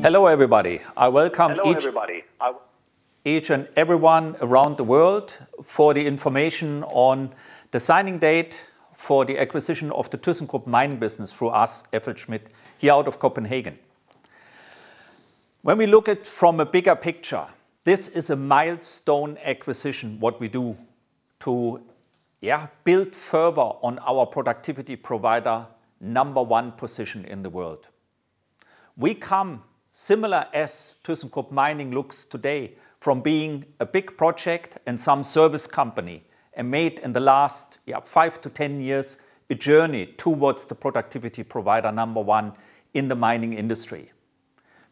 Hello everybody. I welcome each and everyone around the world for the information on the signing date for the acquisition of the Thyssenkrupp Mining business through us, FLSmidth, here out of Copenhagen. We look at from a bigger picture, this is a milestone acquisition, what we do to build further on our productivity provider number one position in the world. We come similar as Thyssenkrupp Mining looks today from being a big project and some service company. Made in the last 5-10 years, a journey towards the productivity provider number one in the mining industry,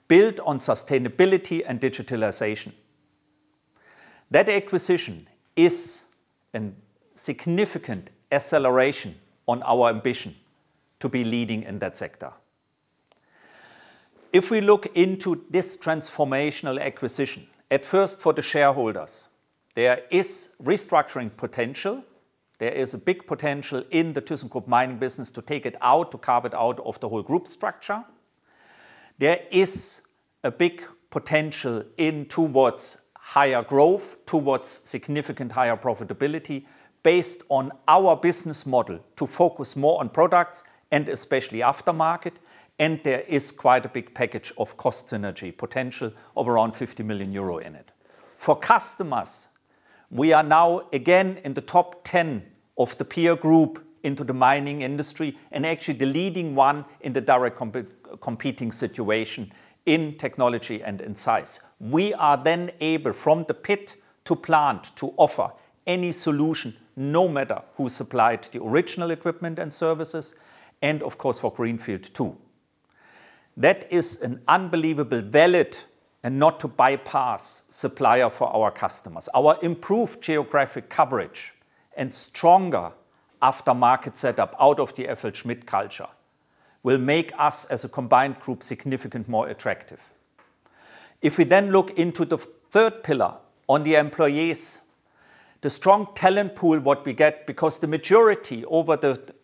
built on sustainability and digitalization. That acquisition is an significant acceleration on our ambition to be leading in that sector. We look into this transformational acquisition, at first for the shareholders, there is restructuring potential. There is a big potential in the Thyssenkrupp Mining business to take it out, to carve it out of the whole group structure. There is a big potential in towards higher growth, towards significant higher profitability based on our business model to focus more on products and especially aftermarket. There is quite a big package of cost synergy potential of around 50 million euro in it. For customers, we are now again in the top 10 of the peer group into the mining industry and actually the leading one in the direct competing situation in technology and in size. We are able from the pit to plant to offer any solution no matter who supplied the original equipment and services and of course for greenfield too. That is an unbelievable valid and not to bypass supplier for our customers. Our improved geographic coverage and stronger aftermarket setup out of the FLSmidth culture will make us as a combined group significant more attractive. If we then look into the third pillar on the employees, the strong talent pool that we get because the majority over the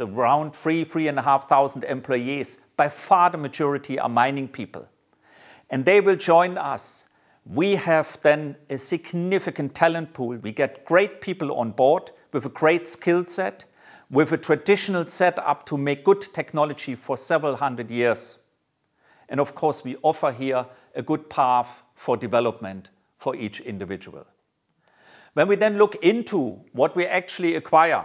around 3,500 employees, by far the majority are mining people and they will join us. We have then a significant talent pool. We get great people on board with a great skillset, with a traditional setup to make good technology for several hundred years. Of course we offer here a good path for development for each individual. When we then look into what we actually acquire,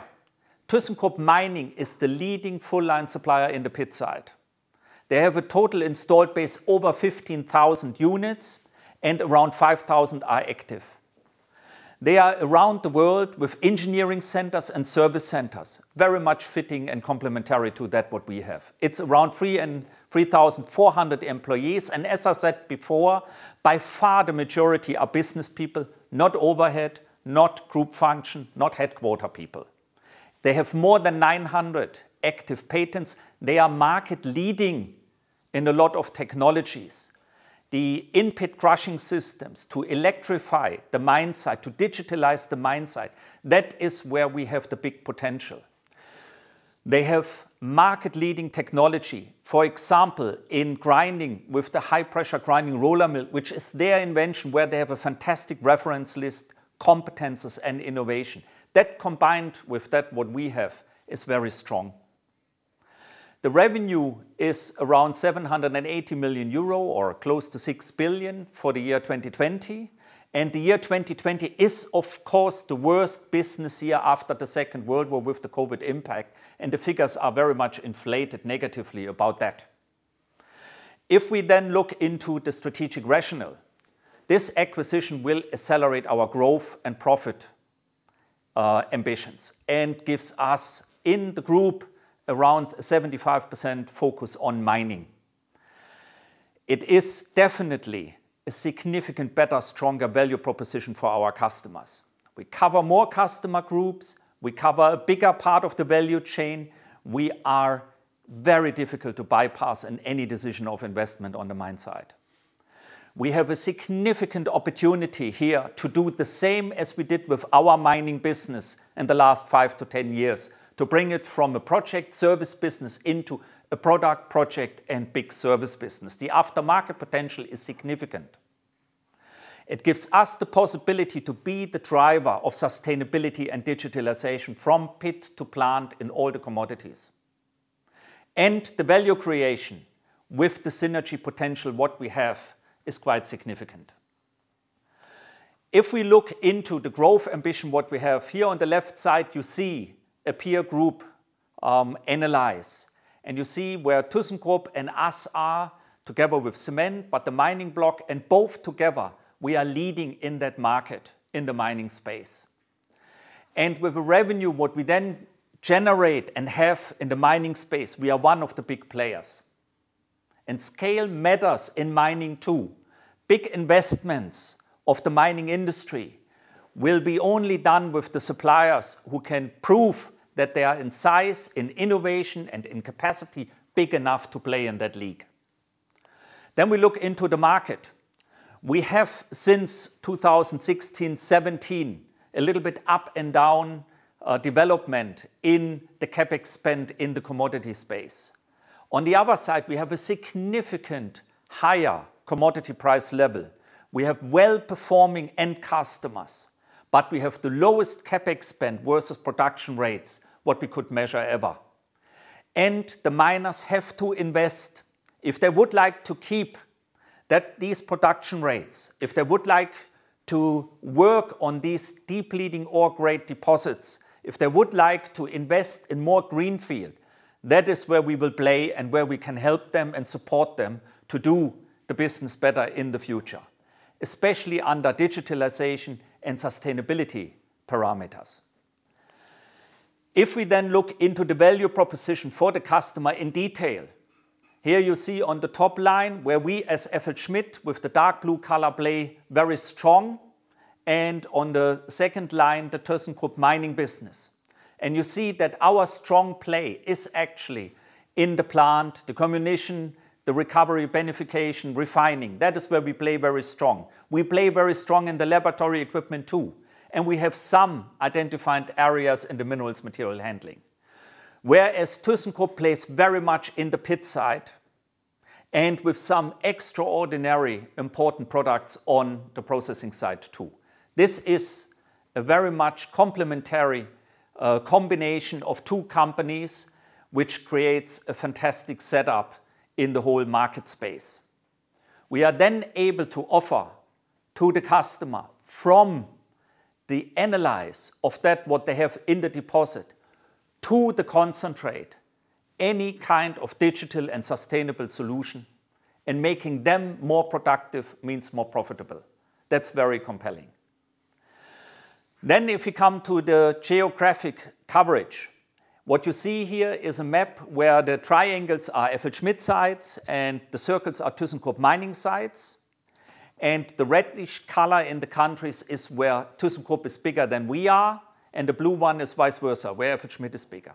Thyssenkrupp Mining is the leading full line supplier in the pit side. They have a total installed base over 15,000 units and around 5,000 are active. They are around the world with engineering centers and service centers, very much fitting and complementary to that what we have. It's around 3,400 employees and as I said before, by far the majority are business people, not overhead, not group function, not headquarter people. They have more than 900 active patents. They are market leading in a lot of technologies. The in-pit crushing systems to electrify the mine site, to digitalize the mine site. That is where we have the big potential. They have market leading technology, for example, in grinding with the high pressure grinding roller mill, which is their invention where they have a fantastic reference list, competencies and innovation. That combined with that what we have is very strong. The revenue is around 780 million euro or close to 6 billion for the year 2020. The year 2020 is of course the worst business year after the Second World War with the COVID impact and the figures are very much inflated negatively about that. If we then look into the strategic rationale, this acquisition will accelerate our growth and profit ambitions and gives us in the group around 75% focus on mining. It is definitely a significant better, stronger value proposition for our customers. We cover more customer groups. We cover a bigger part of the value chain. We are very difficult to bypass in any decision of investment on the mine side. We have a significant opportunity here to do the same as we did with our mining business in the last 5-10 years to bring it from a project service business into a product project and big service business. The aftermarket potential is significant. It gives us the possibility to be the driver of sustainability and digitalization from pit to plant in all the commodities. The value creation with the synergy potential what we have is quite significant. If we look into the growth ambition what we have here on the left side you see a peer group analysis and you see where Thyssenkrupp and us are together with cement, but the mining block and both together we are leading in that market in the mining space. With the revenue what we then generate and have in the mining space we are one of the big players. Scale matters in mining too. Big investments of the mining industry will be only done with the suppliers who can prove that they are in size, in innovation and in capacity big enough to play in that league. We look into the market. We have, since 2016, 2017, a little bit up and down development in the CapEx spend in the commodity space. On the other side, we have a significantly higher commodity price level. We have well-performing end customers, but we have the lowest CapEx spend versus production rates, what we could measure ever. The miners have to invest if they would like to keep these production rates, if they would like to work on these depleting ore grade deposits, if they would like to invest in more greenfield. That is where we will play and where we can help them and support them to do the business better in the future, especially under digitalization and sustainability parameters. If we look into the value proposition for the customer in detail, here you see on the top line where we as FLSmidth, with the dark blue color, play very strong, and on the second line, the Thyssenkrupp Mining business. You see that our strong play is actually in the plant, the comminution, the recovery, beneficiation, refining. That is where we play very strong. We play very strong in the laboratory equipment, too, and we have some identified areas in the minerals material handling. Whereas Thyssenkrupp plays very much in the pit side and with some extraordinary important products on the processing side, too. This is a very much complementary combination of two companies, which creates a fantastic setup in the whole market space. We are able to offer to the customer from the analysis of that what they have in the deposit to the concentrate, any kind of digital and sustainable solution, and making them more productive means more profitable. That's very compelling. If you come to the geographic coverage, what you see here is a map where the triangles are FLSmidth sites and the circles are Thyssenkrupp Mining sites. The reddish color in the countries is where Thyssenkrupp is bigger than we are, and the blue one is vice versa, where FLSmidth is bigger.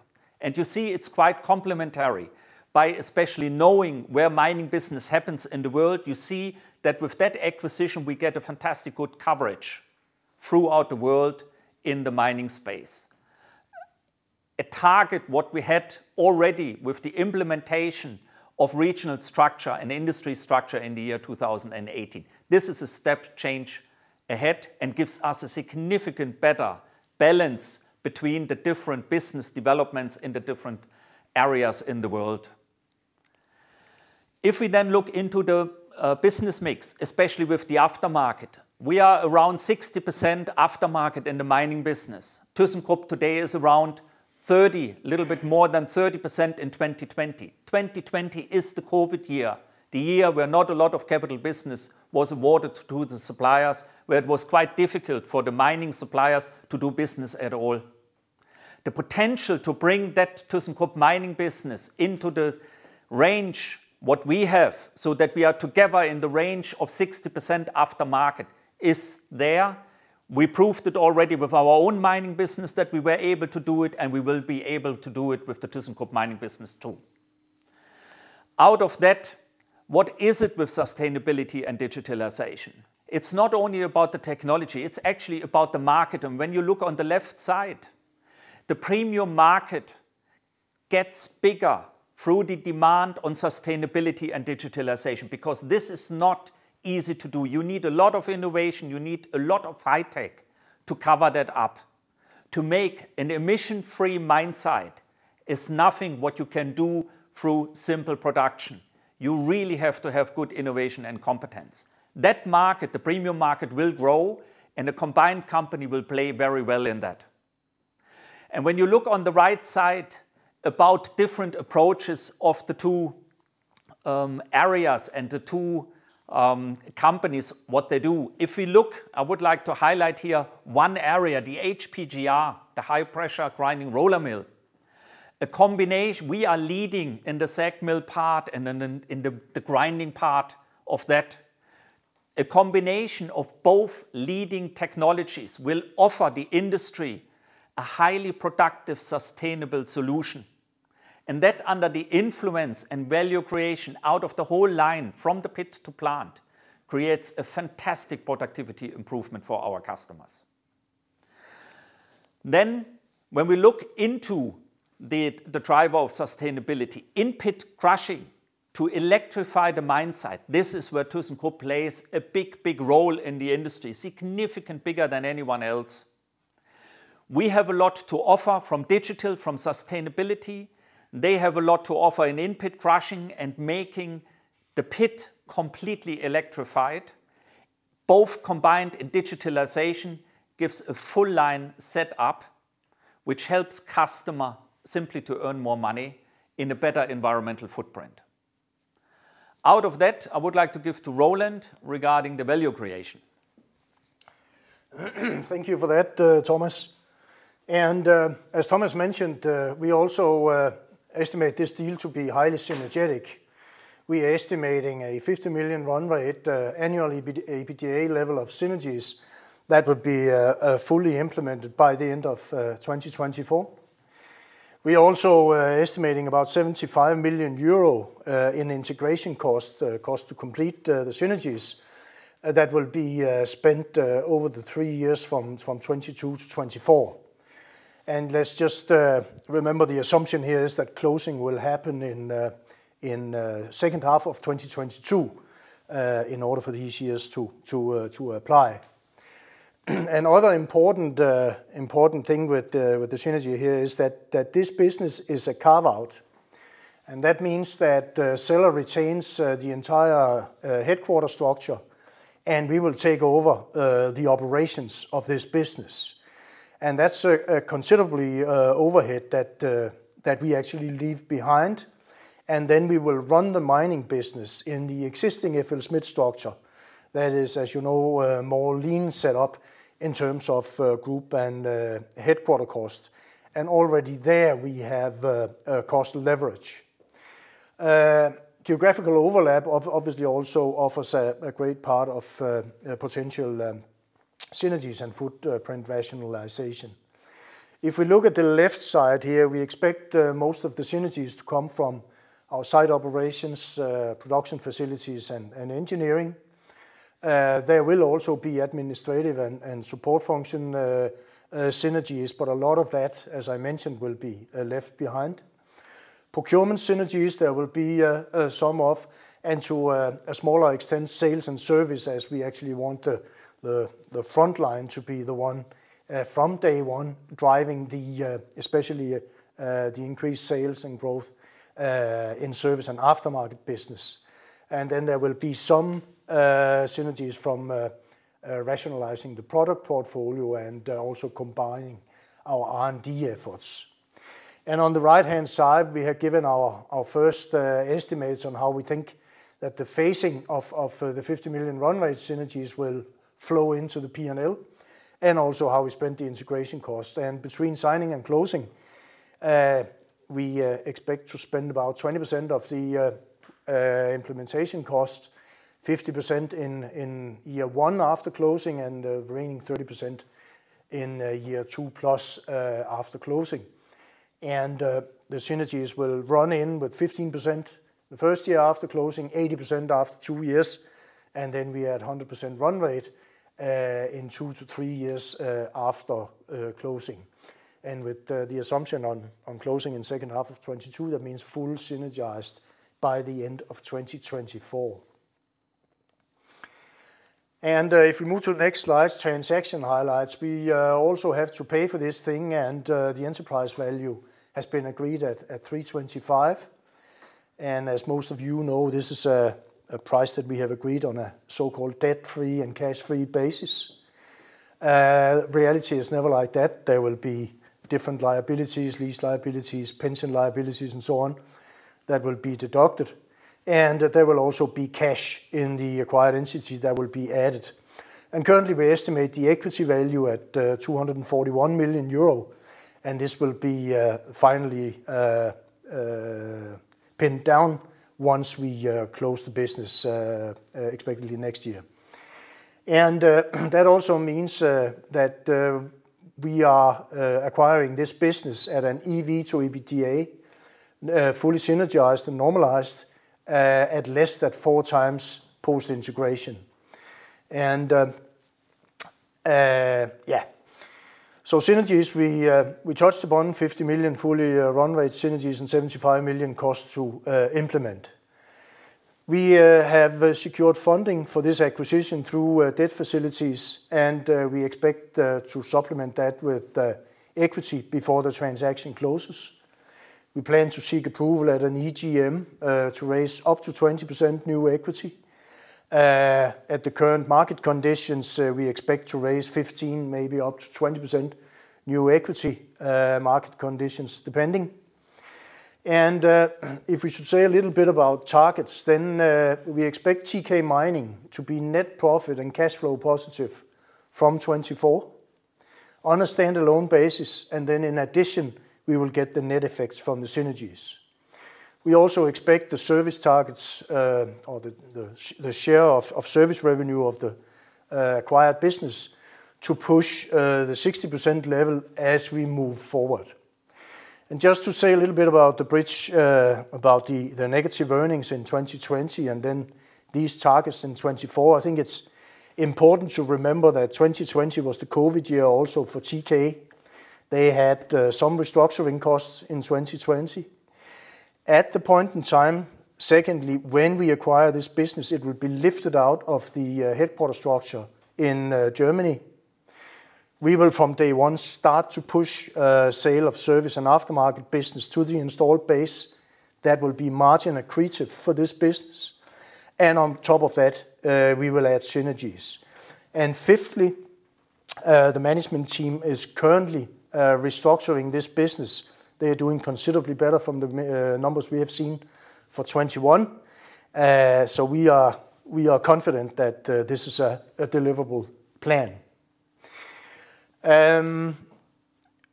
You see it's quite complementary by especially knowing where mining business happens in the world. You see that with that acquisition, we get a fantastic good coverage throughout the world in the mining space. A target what we had already with the implementation of regional structure and industry structure in the year 2018. This is a step change ahead and gives us a significant better balance between the different business developments in the different areas in the world. We look into the business mix, especially with the aftermarket, we are around 60% aftermarket in the mining business. Thyssenkrupp today is around 30%, little bit more than 30% in 2020. 2020 is the COVID year, the year where not a lot of capital business was awarded to the suppliers, where it was quite difficult for the mining suppliers to do business at all. The potential to bring that Thyssenkrupp Mining business into the range what we have, so that we are together in the range of 60% aftermarket is there. We proved it already with our own mining business that we were able to do it, and we will be able to do it with the Thyssenkrupp Mining business, too. Out of that, what is it with sustainability and digitalization? It's not only about the technology, it's actually about the market. When you look on the left side, the premium market gets bigger through the demand on sustainability and digitalization because this is not easy to do. You need a lot of innovation. You need a lot of high tech to cover that up. To make an emission-free mine site is nothing what you can do through simple production. You really have to have good innovation and competence. That market, the premium market, will grow, and the combined company will play very well in that. When you look on the right side about different approaches of the two areas and the two companies, what they do. If we look, I would like to highlight here one area, the HPGR, the high-pressure grinding roller mill. We are leading in the SAG mill part and in the grinding part of that. A combination of both leading technologies will offer the industry a highly productive, sustainable solution. That under the influence and value creation out of the whole line from the pit to plant creates a fantastic productivity improvement for our customers. When we look into the driver of sustainability, in-pit crushing to electrify the mine site. This is where Thyssenkrupp plays a big role in the industry, significantly bigger than anyone else. We have a lot to offer from digital, from sustainability. They have a lot to offer in in-pit crushing and making the pit completely electrified. Both combined in digitalization gives a full line set up, which helps customer simply to earn more money in a better environmental footprint. Out of that, I would like to give to Roland regarding the value creation. Thank you for that, Thomas. As Thomas mentioned, we also estimate this deal to be highly synergetic. We are estimating a 50 million run rate annually EBITDA level of synergies that would be fully implemented by the end of 2024. We are also estimating about 75 million euro in integration cost to complete the synergies that will be spent over the three years from 2022-2024. Let's just remember, the assumption here is that closing will happen in second half of 2022 in order for these years to apply. Another important thing with the synergy here is that this business is a carve-out. That means that the seller retains the entire headquarter structure, and we will take over the operations of this business. That's a considerable overhead that we actually leave behind. Then we will run the mining business in the existing FLSmidth structure. That is, as you know, more lean set up in terms of group and headquarter cost. Already there we have cost leverage. Geographical overlap obviously also offers a great part of potential synergies and footprint rationalization. If we look at the left side here, we expect most of the synergies to come from our site operations, production facilities, and engineering. There will also be administrative and support function synergies, but a lot of that, as I mentioned, will be left behind. Procurement synergies, there will be some of, and to a smaller extent, sales and service as we actually want the frontline to be the one from day one driving, especially, the increased sales and growth in service and aftermarket business. Then there will be some synergies from rationalizing the product portfolio and also combining our R&D efforts. On the right-hand side, we have given our first estimates on how we think that the phasing of the 50 million run rate synergies will flow into the P&L and also how we spend the integration costs. Between signing and closing, we expect to spend about 20% of the implementation cost, 50% in year one after closing, and the remaining 30% in year two plus after closing. The synergies will run in with 15% the first year after closing, 80% after two years, and then we add 100% run rate in two to three years after closing. With the assumption on closing in second half of 2022, that means full synergized by the end of 2024. If we move to the next slide, transaction highlights. We also have to pay for this thing, and the enterprise value has been agreed at 325 million. As most of you know, this is a price that we have agreed on a so-called debt-free and cash-free basis. Reality is never like that. There will be different liabilities, lease liabilities, pension liabilities, and so on, that will be deducted. There will also be cash in the acquired entities that will be added. Currently, we estimate the equity value at 241 million euro, and this will be finally pinned down once we close the business, expectedly next year. That also means that we are acquiring this business at an EV to EBITDA, fully synergized and normalized at less than four times post-integration. Synergies, we touched upon 50 million fully run rate synergies and 75 million cost to implement. We have secured funding for this acquisition through debt facilities, and we expect to supplement that with equity before the transaction closes. We plan to seek approval at an EGM to raise up to 20% new equity. At the current market conditions, we expect to raise 15%, maybe up to 20% new equity, market conditions depending. If we should say a little bit about targets, then we expect TK Mining to be net profit and cash flow positive from 2024 on a standalone basis, then in addition, we will get the net effects from the synergies. We also expect the service targets, or the share of service revenue of the acquired business to push the 60% level as we move forward. Just to say a little bit about the bridge, about the negative earnings in 2020 and then these targets in 2024, I think it's important to remember that 2020 was the COVID year also for TK. They had some restructuring costs in 2020. At the point in time, secondly, when we acquire this business, it will be lifted out of the headquarters structure in Germany. We will, from day one, start to push sale of service and aftermarket business to the installed base that will be margin accretive for this business. On top of that, we will add synergies. Fifthly, the management team is currently restructuring this business. They are doing considerably better from the numbers we have seen for 2021. We are confident that this is a deliverable plan.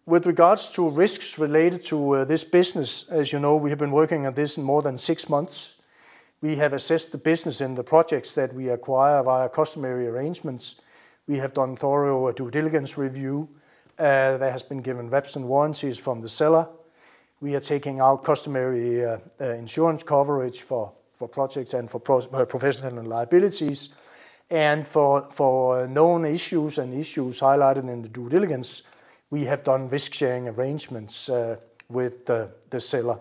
With regards to risks related to this business, as you know, we have been working on this more than six months. We have assessed the business and the projects that we acquire via customary arrangements. We have done thorough due diligence review. There has been given reps and warranties from the seller. We are taking our customary insurance coverage for projects and for professional liabilities. For known issues and issues highlighted in the due diligence, we have done risk-sharing arrangements with the seller.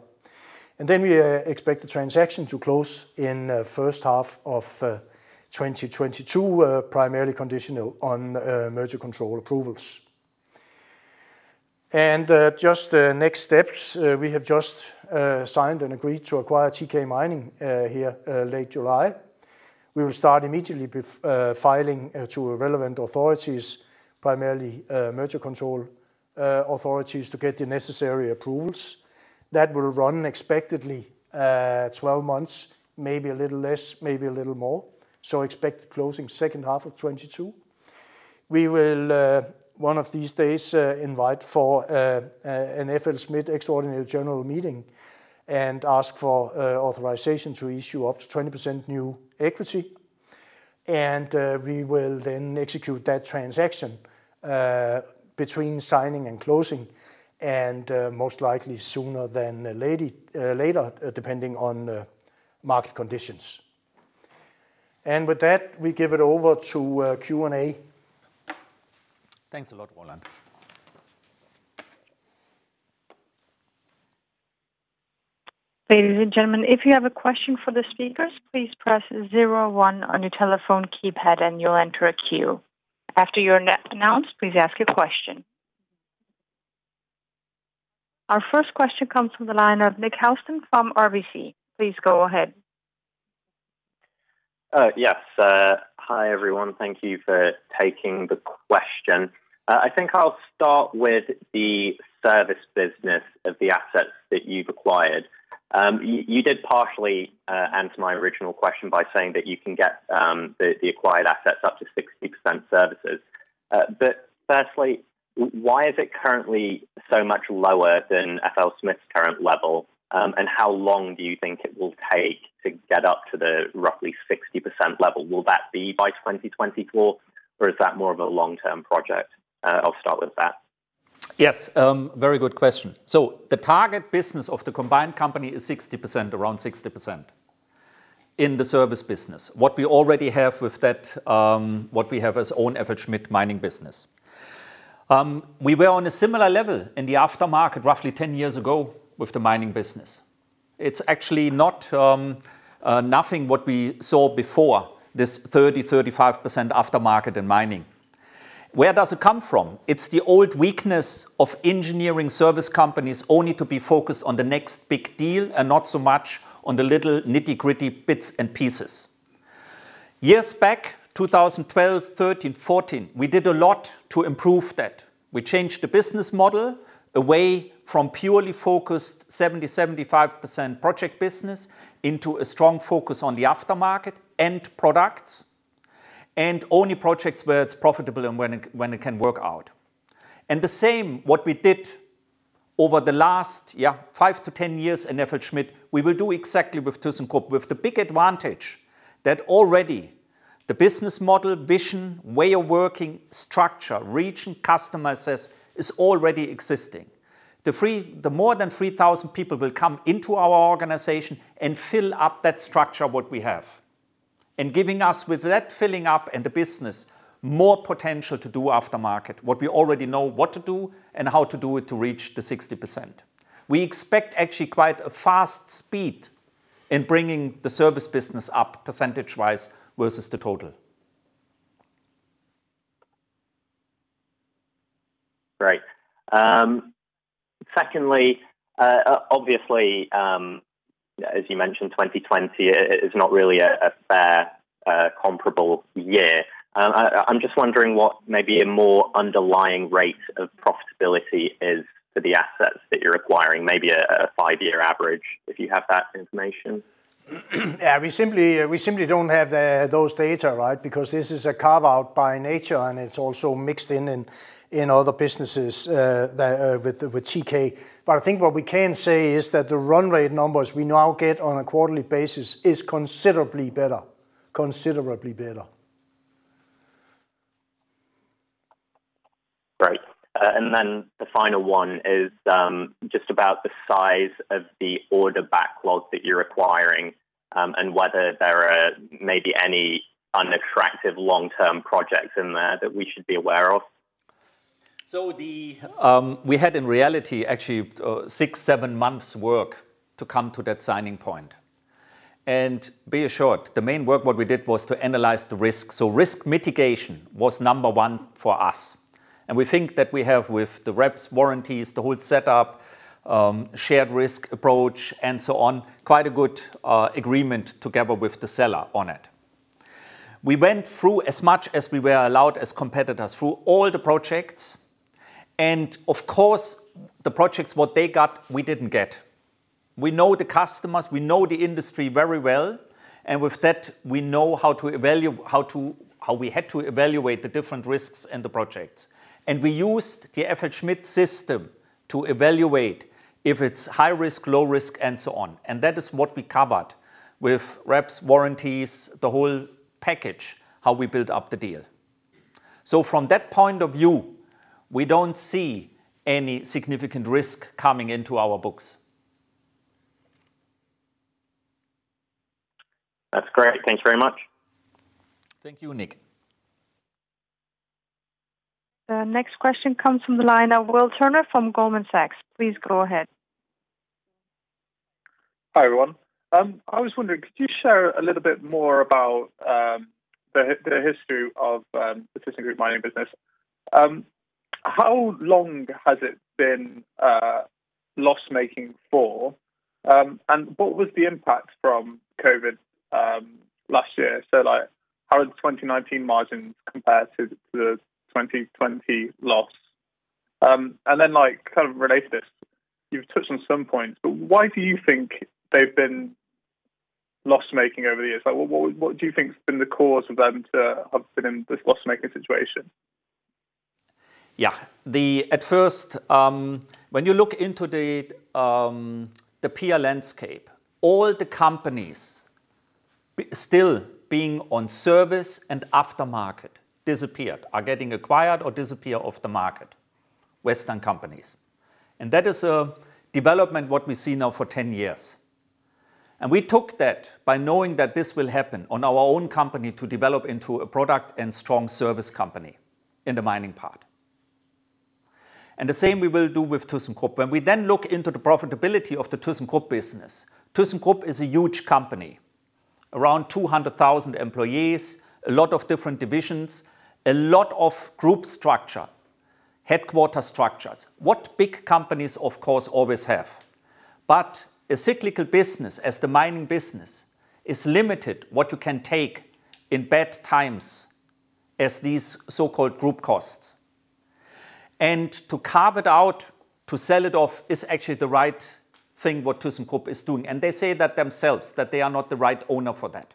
We expect the transaction to close in first half of 2022, primarily conditional on merger control approvals. The next steps, we have just signed and agreed to acquire TK Mining here late July. We will start immediately filing to relevant authorities, primarily merger control authorities, to get the necessary approvals. That will run expectedly 12 months, maybe a little less, maybe a little more. Expect closing second half of 2022. We will, one of these days, invite for an FLSmidth Extraordinary General Meeting and ask for authorization to issue up to 20% new equity. We will then execute that transaction between signing and closing, and most likely sooner than later, depending on market conditions. With that, we give it over to Q&A. Thanks a lot, Roland. Ladies and gentlemen, if you have a question for the speakers, please press zero, one on your telephone keypad and you'll enter a queue. After you're announced, please ask your question. Our first question comes from the line of Nick Housden from RBC Capital Markets. Please go ahead. Yes. Hi, everyone. Thank you for taking the question. I think I'll start with the service business of the assets that you've acquired. You did partially answer my original question by saying that you can get the acquired assets up to 60% services. Firstly, why is it currently so much lower than FLSmidth's current level? How long do you think it will take to get up to the roughly 60% level? Will that be by 2024? Is that more of a long-term project? I'll start with that. Yes, very good question. The target business of the combined company is 60%, around 60% in the service business. What we already have with that, what we have as own FLSmidth mining business. We were on a similar level in the aftermarket roughly 10 years ago with the mining business. It's actually nothing what we saw before this 30%-35% aftermarket in mining. Where does it come from? It's the old weakness of engineering service companies only to be focused on the next big deal and not so much on the little nitty-gritty bits and pieces. Years back, 2012, 2013, 2014, we did a lot to improve that. We changed the business model away from purely focused 70%-75% project business into a strong focus on the aftermarket end products and only projects where it's profitable and when it can work out. The same what we did over the last, yeah, 5-10 years in FLSmidth, we will do exactly with Thyssenkrupp with the big advantage that already the business model, vision, way of working, structure, region, customer sets is already existing. The more than 3,000 people will come into our organization and fill up that structure what we have. Giving us, with that filling up and the business, more potential to do aftermarket, what we already know what to do and how to do it to reach the 60%. We expect actually quite a fast speed in bringing the service business up percentage-wise versus the total. Great. Obviously, as you mentioned, 2020 is not really a fair comparable year. I'm just wondering what maybe a more underlying rate of profitability is for the assets that you're acquiring, maybe a five-year average, if you have that information. Yeah, we simply don't have those data, right? This is a carve-out by nature, and it's also mixed in in other businesses with TK. I think what we can say is that the run rate numbers we now get on a quarterly basis is considerably better. Considerably better. Great. The final one is just about the size of the order backlog that you're acquiring and whether there are maybe any unattractive long-term projects in there that we should be aware of. We had, in reality, actually six, seven months work to come to that signing point. Be assured, the main work what we did was to analyze the risk. Risk mitigation was number one for us. We think that we have, with the reps, warranties, the whole setup, shared risk approach, and so on, quite a good agreement together with the seller on it. We went through as much as we were allowed as competitors through all the projects. Of course, the projects what they got, we didn't get. We know the customers, we know the industry very well. With that, we know how we had to evaluate the different risks and the projects. We used the FLSmidth system to evaluate if it's high risk, low risk, and so on. That is what we covered with reps, warranties, the whole package, how we build up the deal. From that point of view, we don't see any significant risk coming into our books. That's great. Thanks very much. Thank you, Nick. The next question comes from the line of Will Turner from Goldman Sachs. Please go ahead. Hi, everyone. I was wondering, could you share a little bit more about the history of the Thyssenkrupp Mining business? How long has it been loss-making for, and what was the impact from COVID last year? How did the 2019 margins compare to the 2020 loss? Related to this, you've touched on some points, but why do you think they've been loss-making over the years? What do you think has been the cause of them to have been in this loss-making situation? Yeah. At first, when you look into the peer landscape, all the companies still being on service and aftermarket disappeared. Are getting acquired or disappear off the market, Western companies. That is a development what we see now for 10 years. We took that by knowing that this will happen on our own company to develop into a product and strong service company in the mining part. The same we will do with Thyssenkrupp. We then look into the profitability of the Thyssenkrupp business, Thyssenkrupp is a huge company. Around 200,000 employees, a lot of different divisions, a lot of group structure, headquarter structures. What big companies, of course, always have. A cyclical business as the mining business is limited what you can take in bad times as these so-called group costs. To carve it out, to sell it off is actually the right thing what Thyssenkrupp is doing. They say that themselves, that they are not the right owner for that.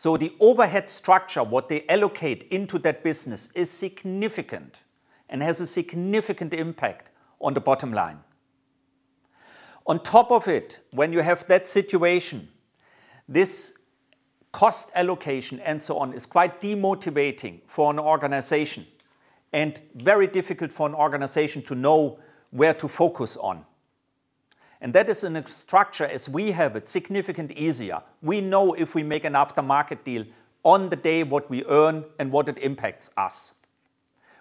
The overhead structure, what they allocate into that business is significant and has a significant impact on the bottom line. On top of it, when you have that situation, this cost allocation and so on is quite demotivating for an organization and very difficult for an organization to know where to focus on. That is in a structure as we have it, significant easier. We know if we make an aftermarket deal on the day what we earn and what it impacts us.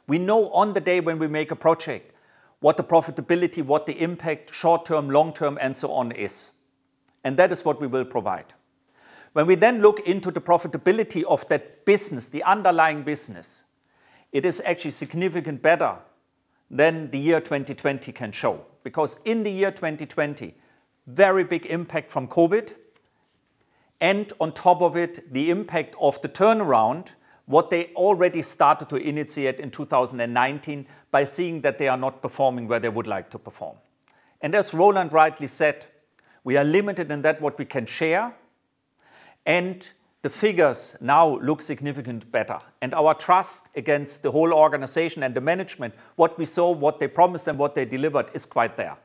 We know on the day when we make a project what the profitability, what the impact short term, long term, and so on is. That is what we will provide. When we look into the profitability of that business, the underlying business, it is actually significant better than the year 2020 can show. In the year 2020, very big impact from COVID. On top of it, the impact of the turnaround, what they already started to initiate in 2019 by seeing that they are not performing where they would like to perform. As Roland rightly said, we are limited in that what we can share, and the figures now look significant better. Our trust against the whole organization and the management, what we saw, what they promised, and what they delivered is quite there.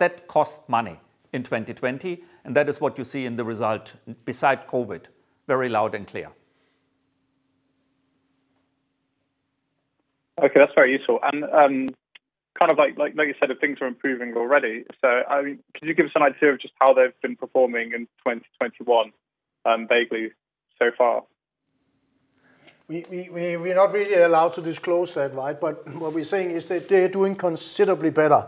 That cost money in 2020, and that is what you see in the result beside COVID, very loud and clear. Okay, that's very useful. Like you said, things are improving already. Could you give us an idea of just how they've been performing in 2021, vaguely, so far? We're not really allowed to disclose that, right? What we're saying is that they're doing considerably better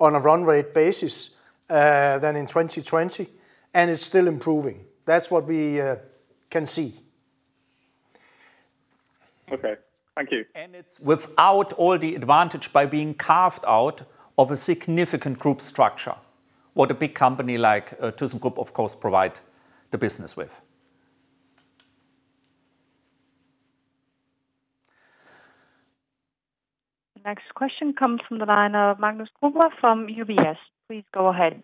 on a run rate basis than in 2020, and it's still improving. That's what we can see. Okay. Thank you. It's without all the advantage by being carved out of a significant group structure. What a big company like Thyssenkrupp, of course, provide the business with. The next question comes from the line of Magnus Gruber from UBS. Please go ahead.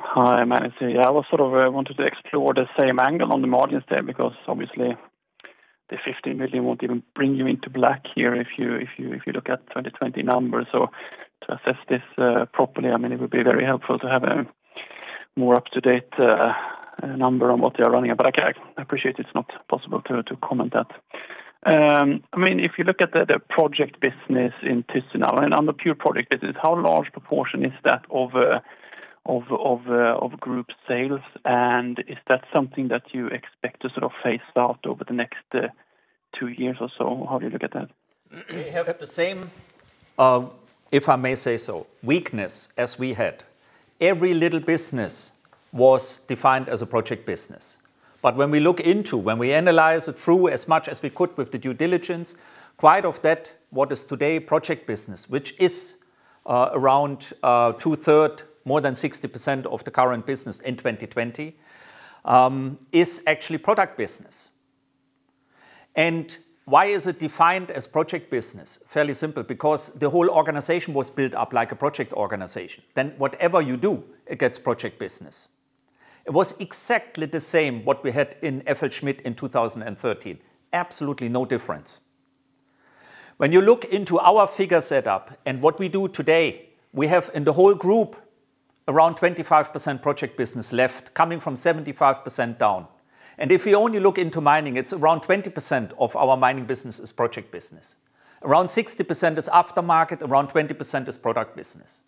Hi, Magnus here. I wanted to explore the same angle on the margins there, because obviously the 15 million won't even bring you into black here if you look at 2020 numbers. To assess this properly, it would be very helpful to have a more up-to-date number on what they are running. I appreciate it's not possible to comment that. If you look at the project business in Thyssenkrupp now, and on the pure project business, how large proportion is that of group sales, and is that something that you expect to phase out over the next two years or so? How do you look at that? They have the same, if I may say so, weakness as we had. Every little business was defined as a project business. When we look into, when we analyze it through as much as we could with the due diligence, quite a lot of what is today project business, which is around two third, more than 60% of the current business in 2020, is actually product business. Why is it defined as project business? Fairly simple, because the whole organization was built up like a project organization. Whatever you do, it gets project business. It was exactly the same what we had in FLSmidth in 2013. Absolutely no difference. When you look into our figure set up and what we do today, we have in the whole group, around 25% project business left, coming from 75% down. If we only look into mining, it's around 20% of our mining business is project business. Around 60% is aftermarket, around 20% is product business.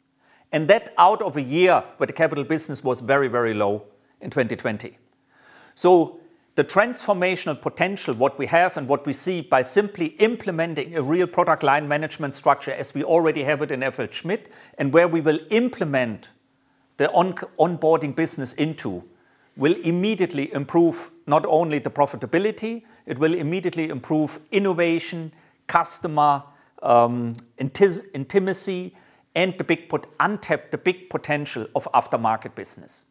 That out of a year where the capital business was very low in 2020. The transformational potential, what we have and what we see by simply implementing a real product line management structure as we already have it in FLSmidth, and where we will implement the onboarding business into, will immediately improve not only the profitability, it will immediately improve innovation, customer intimacy, and untapped the big potential of aftermarket business.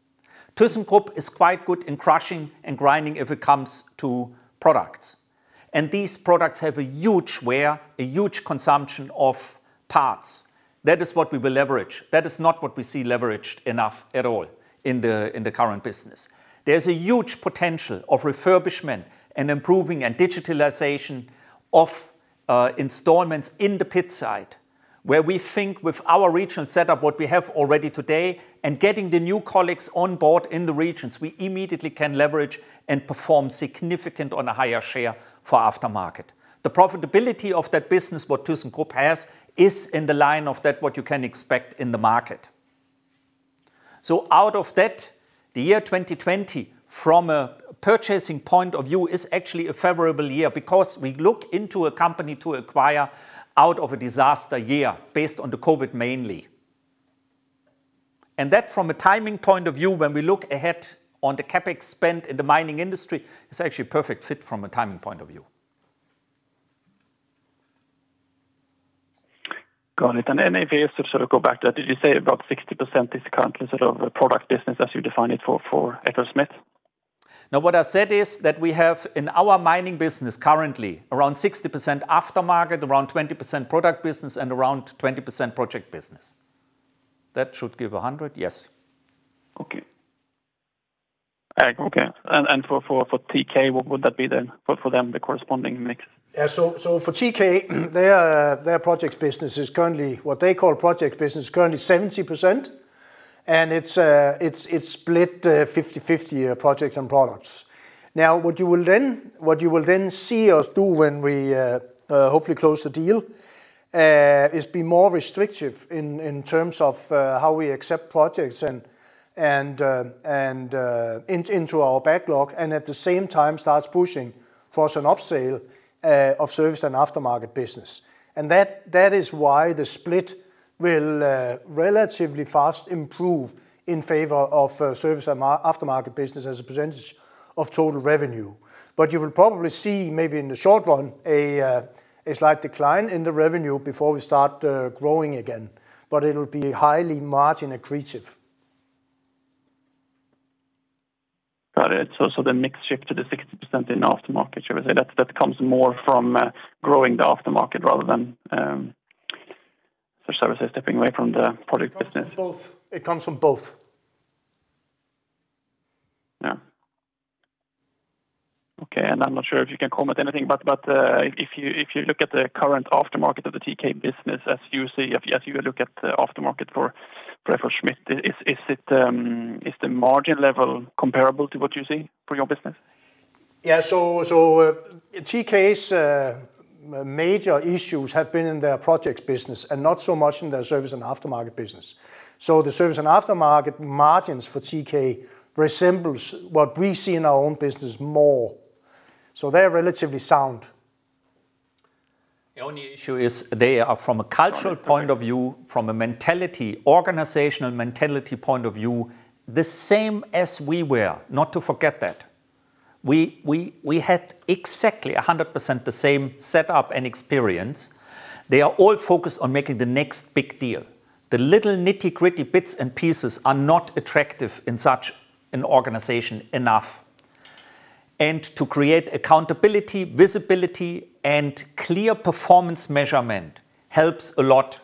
Thyssenkrupp is quite good in crushing and grinding if it comes to products. These products have a huge wear, a huge consumption of parts. That is what we will leverage. That is not what we see leveraged enough at all in the current business. There's a huge potential of refurbishment and improving and digitalization of installments in the pit site, where we think with our regional setup, what we have already today, and getting the new colleagues on board in the regions, we immediately can leverage and perform significant on a higher share for aftermarket. The profitability of that business, what Thyssenkrupp has, is in the line of that what you can expect in the market. Out of that, the year 2020, from a purchasing point of view, is actually a favorable year because we look into a company to acquire out of a disaster year based on the COVID, mainly. That from a timing point of view, when we look ahead on the CapEx spend in the mining industry, is actually a perfect fit from a timing point of view. Got it. Maybe to go back to that, did you say about 60% is currently product business as you define it for FLSmidth? No, what I said is that we have in our mining business currently around 60% aftermarket, around 20% product business, and around 20% project business. That should give 100%. Yes. Okay. For TK, what would that be then? For them, the corresponding mix. Yeah. For TK, what they call project business is currently 70%, and it's split 50-50, projects and products. Now, what you will then see us do when we hopefully close the deal, is be more restrictive in terms of how we accept projects into our backlog, and at the same time, start pushing towards an upsale of service and aftermarket business. That is why the split will relatively fast improve in favor of service and aftermarket business as a percentage of total revenue. You will probably see, maybe in the short run, a slight decline in the revenue before we start growing again, but it'll be highly margin accretive. Got it. The mix shift to the 60% in aftermarket, should we say, that comes more from growing the aftermarket rather than services stepping away from the product business. It comes from both. Yeah. Okay. I'm not sure if you can comment anything, but if you look at the current aftermarket of the TK business, as you look at the aftermarket for FLSmidth, is the margin level comparable to what you see for your business? TK's major issues have been in their projects business and not so much in their service and aftermarket business. The service and aftermarket margins for TK resembles what we see in our own business more. They're relatively sound. The only issue is they are, from a cultural point of view, from a mentality, organizational mentality point of view, the same as we were. Not to forget that. We had exactly 100% the same set up and experience. They are all focused on making the next big deal. The little nitty-gritty bits and pieces are not attractive in such an organization enough. To create accountability, visibility, and clear performance measurement helps a lot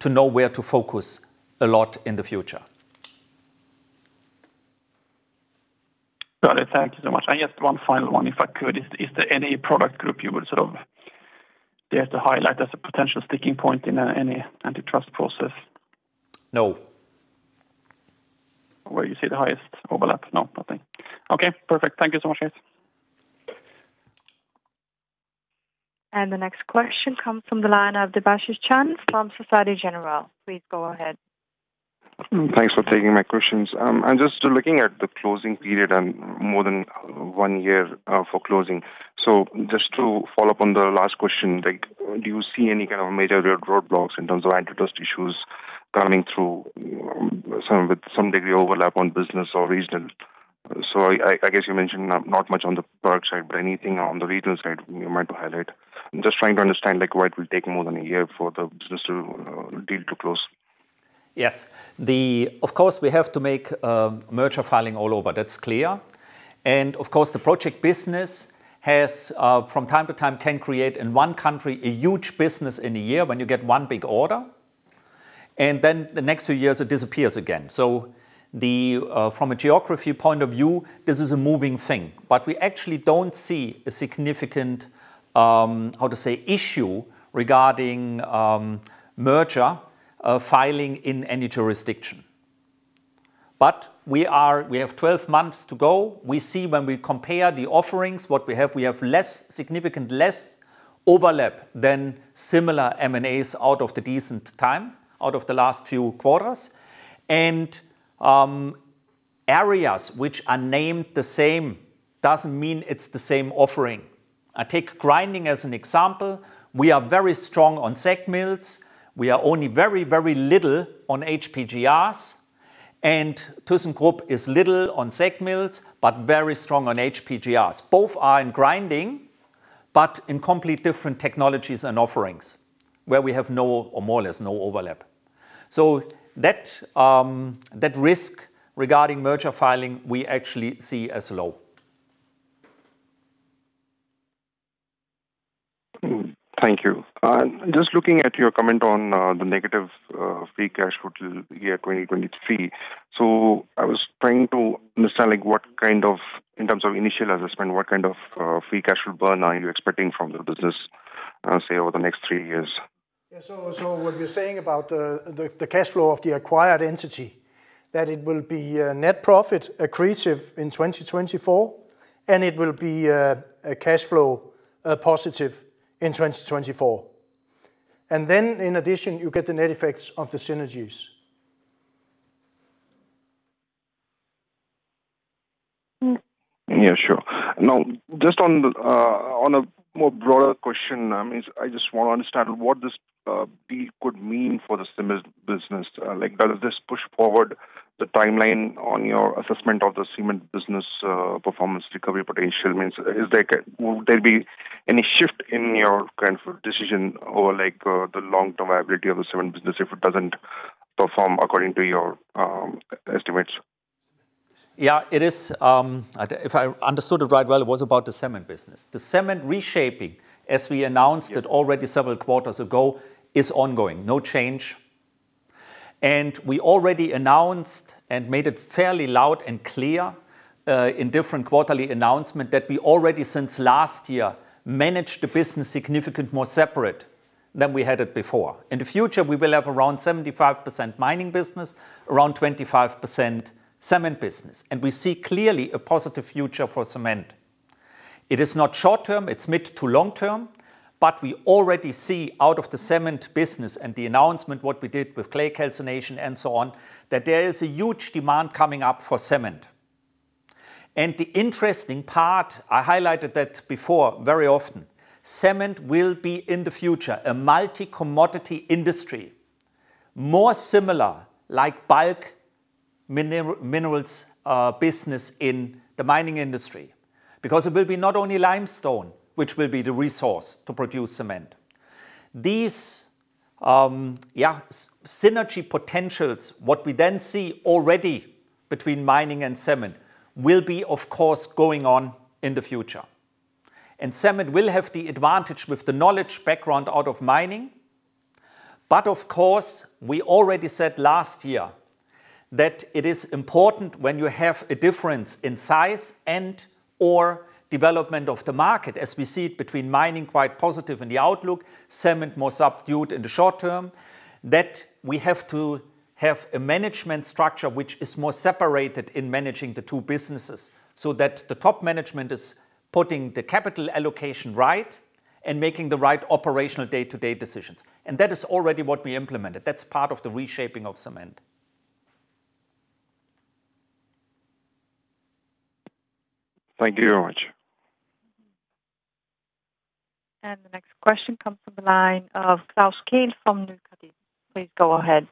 to know where to focus a lot in the future. Got it. Thank you so much. Just one final one, if I could. Is there any product group you would dare to highlight as a potential sticking point in any antitrust process? No. Where you see the highest overlap? No, nothing. Okay, perfect. Thank you so much. The next question comes from the line of Debashis Chand from Société Générale. Please go ahead. Thanks for taking my questions. I'm just looking at the closing period and more than one year for closing. Just to follow up on the last question, do you see any kind of major roadblocks in terms of antitrust issues coming through with some degree overlap on business or regional? I guess you mentioned not much on the product side, but anything on the regional side you might want to highlight? I'm just trying to understand why it will take more than one year for the business deal to close. Yes. We have to make a merger filing all over. That's clear. The project business from time to time can create in one country a huge business in a year when you get 1 big order. The next few years, it disappears again. From a geography point of view, this is a moving thing, but we actually don't see a significant issue regarding merger filing in any jurisdiction. We have 12 months to go. We see when we compare the offerings, what we have, we have significant less overlap than similar M&As out of the decent time, out of the last few quarters. Areas which are named the same doesn't mean it's the same offering. I take grinding as an example. We are very strong on SAG mills. We are only very little on HPGRs, and Thyssenkrupp is little on SAG mills, but very strong on HPGRs. Both are in grinding, but in complete different technologies and offerings where we have more or less no overlap. That risk regarding merger filing, we actually see as low. Thank you. Just looking at your comment on the negative free cash flow till year 2023. I was trying to understand in terms of initial assessment, what kind of free cash flow burn are you expecting from the business, say, over the next three years? Yeah. What we're saying about the cash flow of the acquired entity, that it will be net profit accretive in 2024, and it will be cash flow positive in 2024. Then in addition, you get the net effects of the synergies. Yeah, sure. Just on a more broader question, I just want to understand what this deal could mean for the cement business. Like does this push forward the timeline on your assessment of the cement business performance recovery potential? Would there be any shift in your decision over the long-term viability of the cement business if it doesn't perform according to your estimates? Yeah. If I understood it right, well, it was about the cement business. The cement reshaping, as we announced it already several quarters ago, is ongoing. No change. We already announced and made it fairly loud and clear in different quarterly announcement that we already, since last year, managed the business significant more separate than we had it before. In the future, we will have around 75% mining business, around 25% cement business, and we see clearly a positive future for cement. It is not short-term, it's mid to long-term, but we already see out of the cement business and the announcement, what we did with clay calcination and so on, that there is a huge demand coming up for cement. The interesting part, I highlighted that before very often, cement will be, in the future, a multi-commodity industry, more similar like bulk minerals business in the mining industry. It will be not only limestone which will be the resource to produce cement. These synergy potentials, what we then see already between mining and cement, will be, of course, going on in the future. Cement will have the advantage with the knowledge background out of mining. Of course, we already said last year that it is important when you have a difference in size and/or development of the market, as we see it between mining quite positive in the outlook, cement more subdued in the short term, that we have to have a management structure which is more separated in managing the two businesses, so that the top management is putting the capital allocation right and making the right operational day-to-day decisions. That is already what we implemented. That's part of the reshaping of cement. Thank you very much. The next question comes from the line of Klaus Kehl from Nykredit Markets. Please go ahead.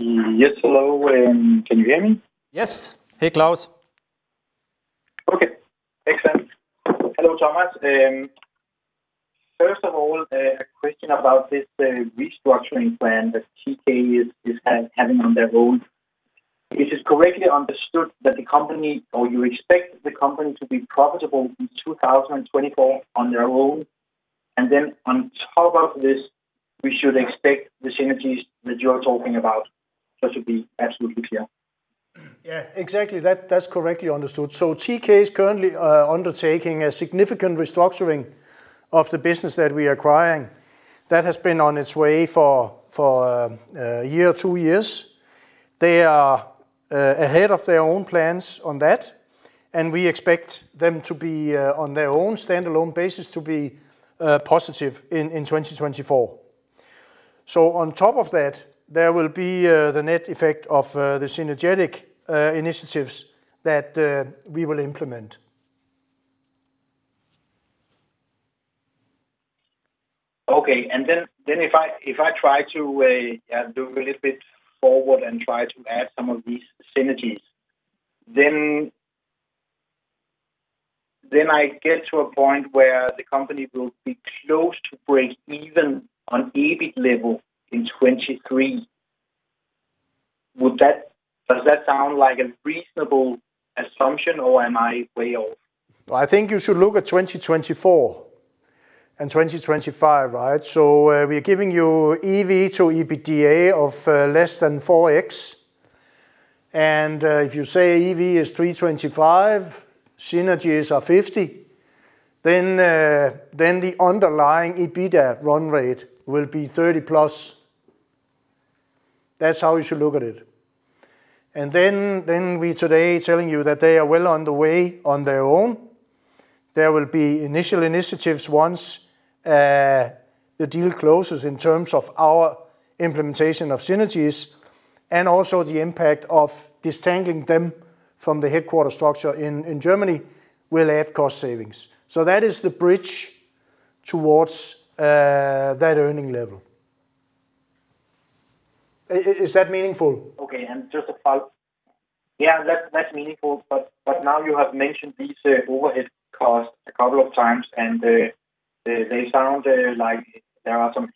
Yes. Hello, can you hear me? Yes. Hey, Klaus. Okay. Excellent. Hello, Thomas. First of all, a question about this restructuring plan that TK is having on their own. Is it correctly understood that the company, or you expect the company to be profitable in 2024 on their own? On top of this, we should expect the synergies that you are talking about? Just to be absolutely clear. Yeah, exactly. That's correctly understood. TK is currently undertaking a significant restructuring of the business that we are acquiring. That has been on its way for one year or two years. They are ahead of their own plans on that, and we expect them to be on their own standalone basis to be positive in 2024. On top of that, there will be the net effect of the synergetic initiatives that we will implement. Okay. If I try to do a little bit forward and try to add some of these synergies, then I get to a point where the company will be close to breakeven on EBIT level in 2023. Does that sound like a reasonable assumption, or am I way off? I think you should look at 2024 and 2025, right? We're giving you EV to EBITDA of less than 4x, and if you say EV is 325 million, synergies are 50 million, then the underlying EBITDA run rate will be 30 million+. That's how you should look at it. We today telling you that they are well on the way on their own. There will be initial initiatives once the deal closes in terms of our implementation of synergies and also the impact of detangling them from the headquarters structure in Germany will add cost savings. That is the bridge towards that earning level. Is that meaningful? Okay. Yeah, that's meaningful. Now you have mentioned these overhead costs a couple of times, and they sound like there are some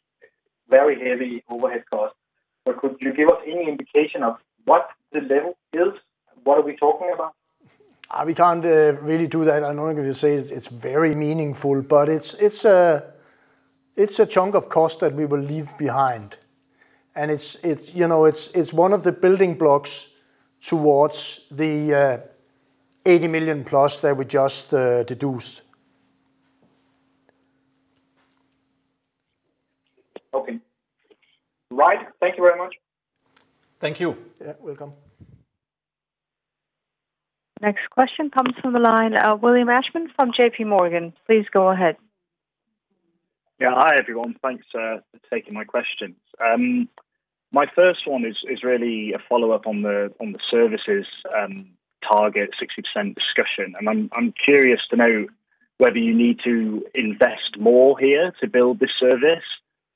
very heavy overhead costs. Could you give us any indication of what the level is? What are we talking about? We can't really do that. I know you say it's very meaningful, but it's a chunk of cost that we will leave behind. It's one of the building blocks towards the 80 million plus that we just deduced. Okay. Right. Thank you very much. Thank you. You're welcome. Next question comes from the line, William Ashman from JPMorgan. Please go ahead. Yeah. Hi, everyone. Thanks for taking my questions. My first one is really a follow-up on the services target 60% discussion. I'm curious to know whether you need to invest more here to build this service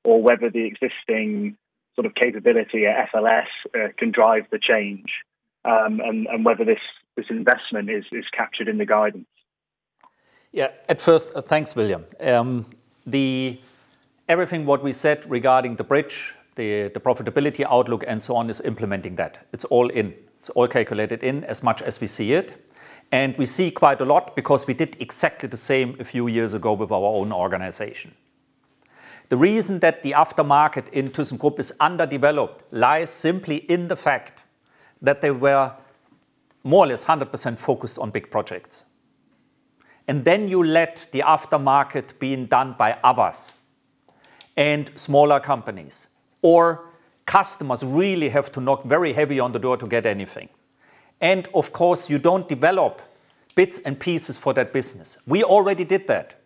or whether the existing sort of capability at FLS can drive the change, and whether this investment is captured in the guidance. Yeah. At first, thanks, William. Everything what we said regarding the bridge, the profitability outlook, and so on is implementing that. It's all in. It's all calculated in as much as we see it, and we see quite a lot because we did exactly the same a few years ago with our own organization. The reason that the aftermarket in Thyssenkrupp is underdeveloped lies simply in the fact that they were more or less 100% focused on big projects. Then you let the aftermarket being done by others and smaller companies or customers really have to knock very heavy on the door to get anything. Of course, you don't develop bits and pieces for that business. We already did that.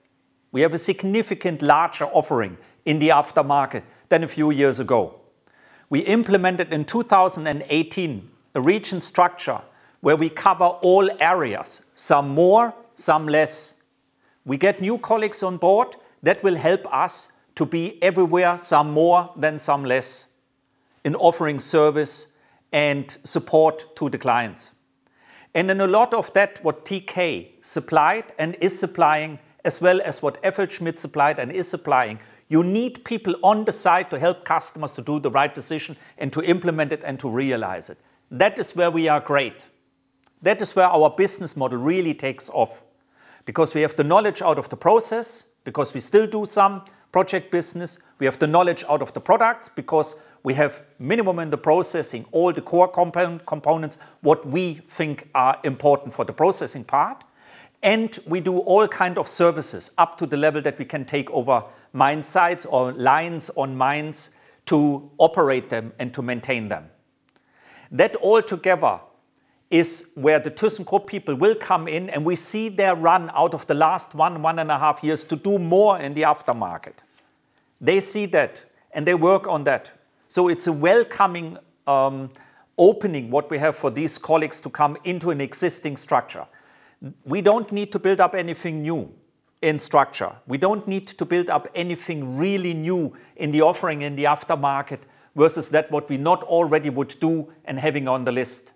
We have a significant larger offering in the aftermarket than a few years ago. We implemented in 2018 a region structure where we cover all areas, some more, some less. We get new colleagues on board that will help us to be everywhere, some more than some less in offering service and support to the clients. In a lot of that, what TK supplied and is supplying, as well as what FLSmidth supplied and is supplying, you need people on the side to help customers to do the right decision and to implement it and to realize it. That is where we are great. That is where our business model really takes off because we have the knowledge out of the process because we still do some project business. We have the knowledge out of the products because we have minimum in the processing, all the core components, what we think are important for the processing part. We do all kind of services up to the level that we can take over mine sites or lines on mines to operate them and to maintain them. That all together is where the Thyssenkrupp people will come in, and we see their run out of the last one and a half years to do more in the aftermarket. They see that, and they work on that. It's a welcoming opening, what we have for these colleagues to come into an existing structure. We don't need to build up anything new in structure. We don't need to build up anything really new in the offering in the aftermarket versus that what we not already would do and having on the list.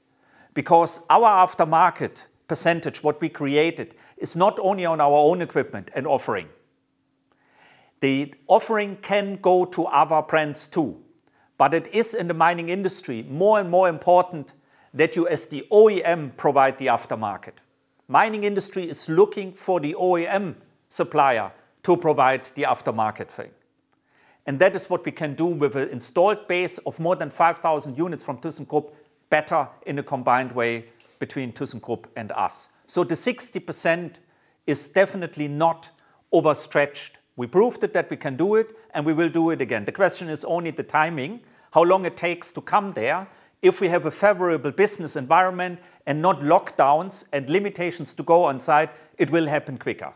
Because our aftermarket percentage, what we created, is not only on our own equipment and offering. The offering can go to other brands too, but it is in the mining industry, more and more important that you as the OEM provide the aftermarket. Mining industry is looking for the OEM supplier to provide the aftermarket thing. That is what we can do with an installed base of more than 5,000 units from Thyssenkrupp better in a combined way between Thyssenkrupp and us. The 60% is definitely not overstretched. We proved that we can do it, and we will do it again. The question is only the timing, how long it takes to come there. If we have a favorable business environment and not lockdowns and limitations to go on-site, it will happen quicker.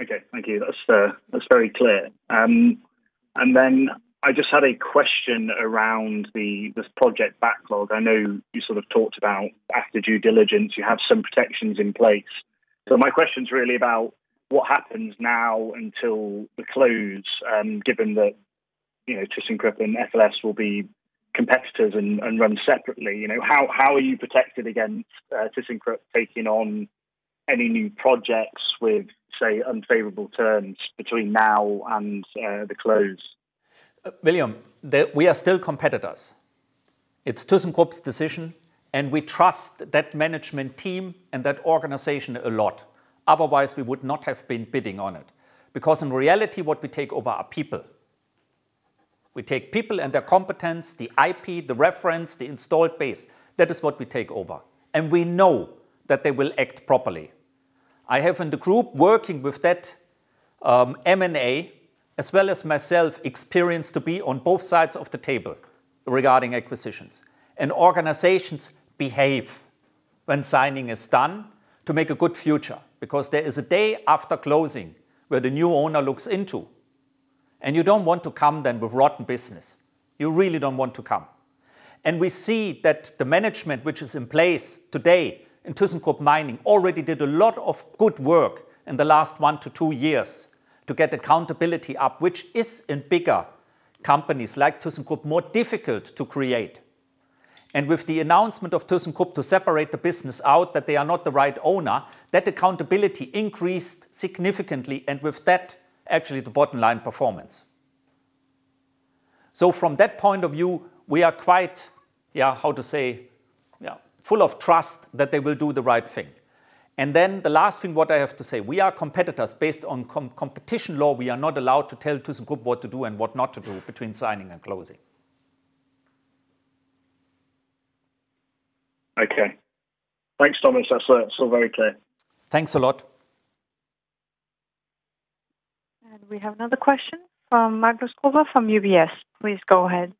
Okay. Thank you. That's very clear. I just had a question around this project backlog. I know you sort of talked about after due diligence, you have some protections in place. My question's really about what happens now until the close, given that Thyssenkrupp and FLS will be competitors and run separately. How are you protected against Thyssenkrupp taking on any new projects with, say, unfavorable terms between now and the close? William, we are still competitors. It's Thyssenkrupp's decision, and we trust that management team and that organization a lot. Otherwise, we would not have been bidding on it. Because in reality, what we take over are people. We take people and their competence, the IP, the reference, the installed base. That is what we take over, and we know that they will act properly. I have in the group working with that M&A as well as myself experienced to be on both sides of the table regarding acquisitions. Organizations behave when signing is done to make a good future, because there is a day after closing where the new owner looks into, and you don't want to come then with rotten business. You really don't want to come. We see that the management which is in place today in Thyssenkrupp Mining already did a lot of good work in the last one to two years to get accountability up, which is in bigger companies like Thyssenkrupp, more difficult to create. With the announcement of Thyssenkrupp to separate the business out, that they are not the right owner, that accountability increased significantly, and with that, actually, the bottom line performance. From that point of view, we are quite, how to say, full of trust that they will do the right thing. The last thing what I have to say, we are competitors. Based on competition law, we are not allowed to tell Thyssenkrupp what to do and what not to do between signing and closing. Okay. Thanks, Thomas. That's all very clear. Thanks a lot. We have another question from Magnus Gruber from UBS. Please go ahead.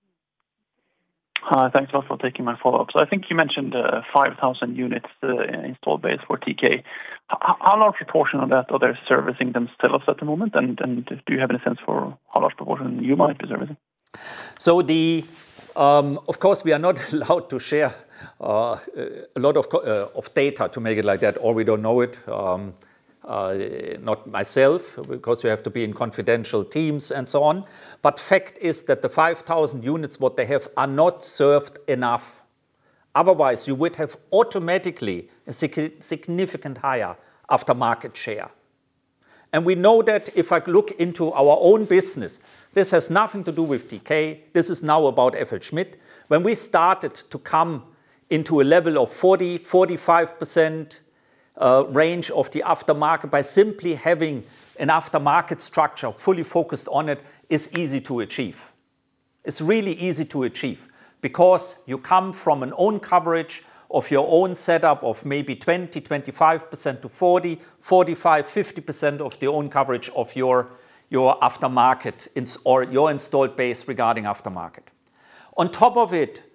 Hi. Thanks a lot for taking my follow-up. I think you mentioned 5,000 units installed base for TK. How large a portion of that are they servicing themselves at the moment? Do you have any sense for how large a portion you might be servicing? We are not allowed to share a lot of data to make it like that, or we don't know it, not myself, because we have to be in confidential teams and so on. Fact is that the 5,000 units, what they have are not served enough. Otherwise, you would have automatically a significant higher aftermarket share. We know that if I look into our own business, this has nothing to do with TK. This is now about FLSmidth. When we started to come into a level of 40%-45% range of the aftermarket by simply having an aftermarket structure fully focused on it is easy to achieve. It's really easy to achieve because you come from an own coverage of your own setup of maybe 20%-25% to 40%, 45%, 50% of the own coverage of your aftermarket or your installed base regarding aftermarket.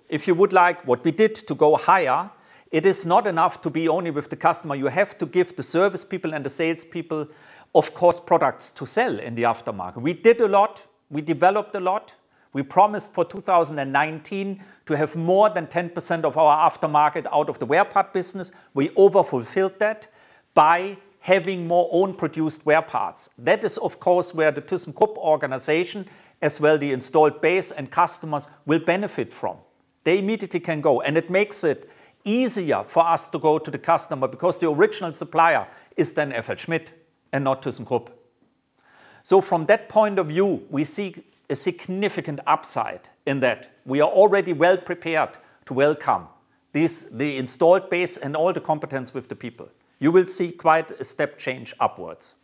If you would like what we did to go higher, it is not enough to be only with the customer. You have to give the service people and the sales people, of course, products to sell in the aftermarket. We did a lot. We developed a lot. We promised for 2019 to have more than 10% of our aftermarket out of the wear part business. We overfulfilled that by having more own produced wear parts. That is, of course, where the Thyssenkrupp organization as well the installed base and customers will benefit from. They immediately can go, it makes it easier for us to go to the customer because the original supplier is then FLSmidth and not Thyssenkrupp. From that point of view, we see a significant upside in that. We are already well prepared to welcome the installed base and all the competence with the people. You will see quite a step change upwards.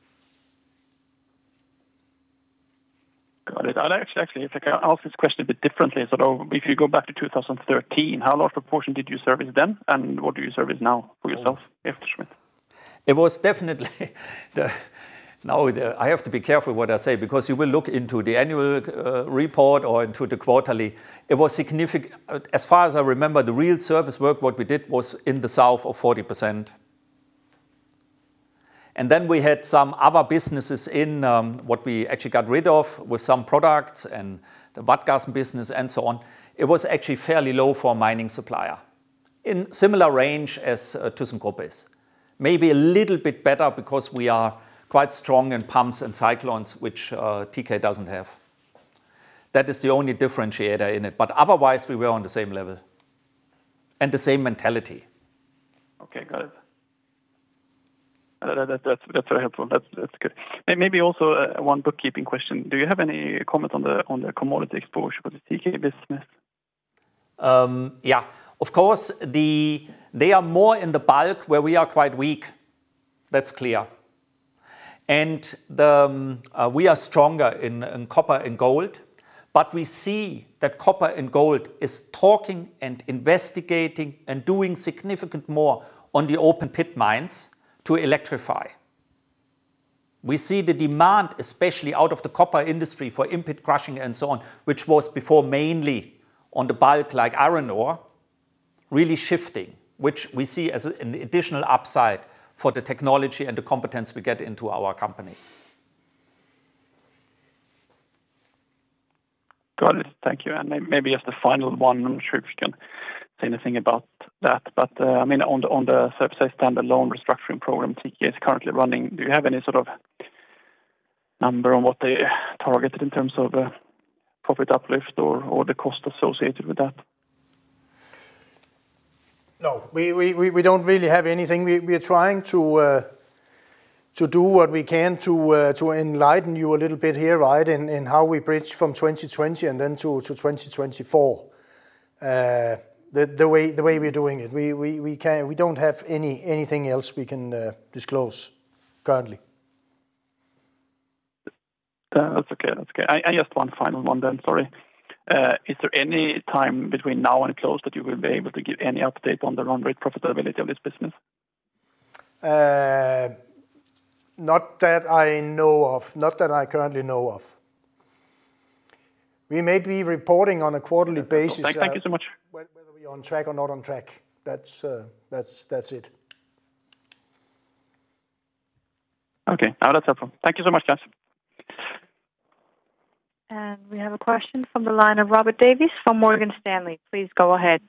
Got it. I'll actually ask this question a bit differently. If you go back to 2013, how large a portion did you service then, and what do you service now for yourself, FLSmidth? I have to be careful what I say because you will look into the annual report or into the quarterly. As far as I remember, the real service work, what we did was in the south of 40%. Then we had some other businesses in what we actually got rid of with some products and the Wadgassen business and so on. It was actually fairly low for a mining supplier. In similar range as Thyssenkrupp is. Maybe a little bit better because we are quite strong in pumps and cyclones, which TK doesn't have. That is the only differentiator in it. Otherwise, we were on the same level and the same mentality. Okay, got it. That is very helpful. That is good. Maybe also one bookkeeping question. Do you have any comment on the commodity exposure for the TK business? Yeah. Of course, they are more in the bulk where we are quite weak. That's clear. We are stronger in copper and gold, but we see that copper and gold is talking and investigating and doing significant more on the open pit mines to electrify. We see the demand, especially out of the copper industry for in-pit crushing and so on, which was before mainly on the bulk like iron ore, really shifting, which we see as an additional upside for the technology and the competence we get into our company. Got it. Thank you. Maybe as the final one, I am not sure if you can say anything about that, but on the surface standalone restructuring program TK is currently running, do you have any sort of number on what they targeted in terms of profit uplift or the cost associated with that? No, we don't really have anything. We are trying to do what we can to enlighten you a little bit here, right? In how we bridge from 2020 and then to 2024. The way we're doing it. We don't have anything else we can disclose currently. That's okay. I just one final one then, sorry. Is there any time between now and close that you will be able to give any update on the run rate profitability of this business? Not that I know of. Not that I currently know of. We may be reporting on a quarterly basis- Thank you so much. Whether we're on track or not on track. That's it. Okay. No, that's helpful. Thank you so much guys. We have a question from the line of Robert Davies from Morgan Stanley. Please go ahead.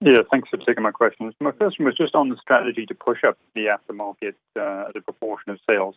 Yeah, thanks for taking my questions. My first one was just on the strategy to push up the aftermarket, the proportion of sales.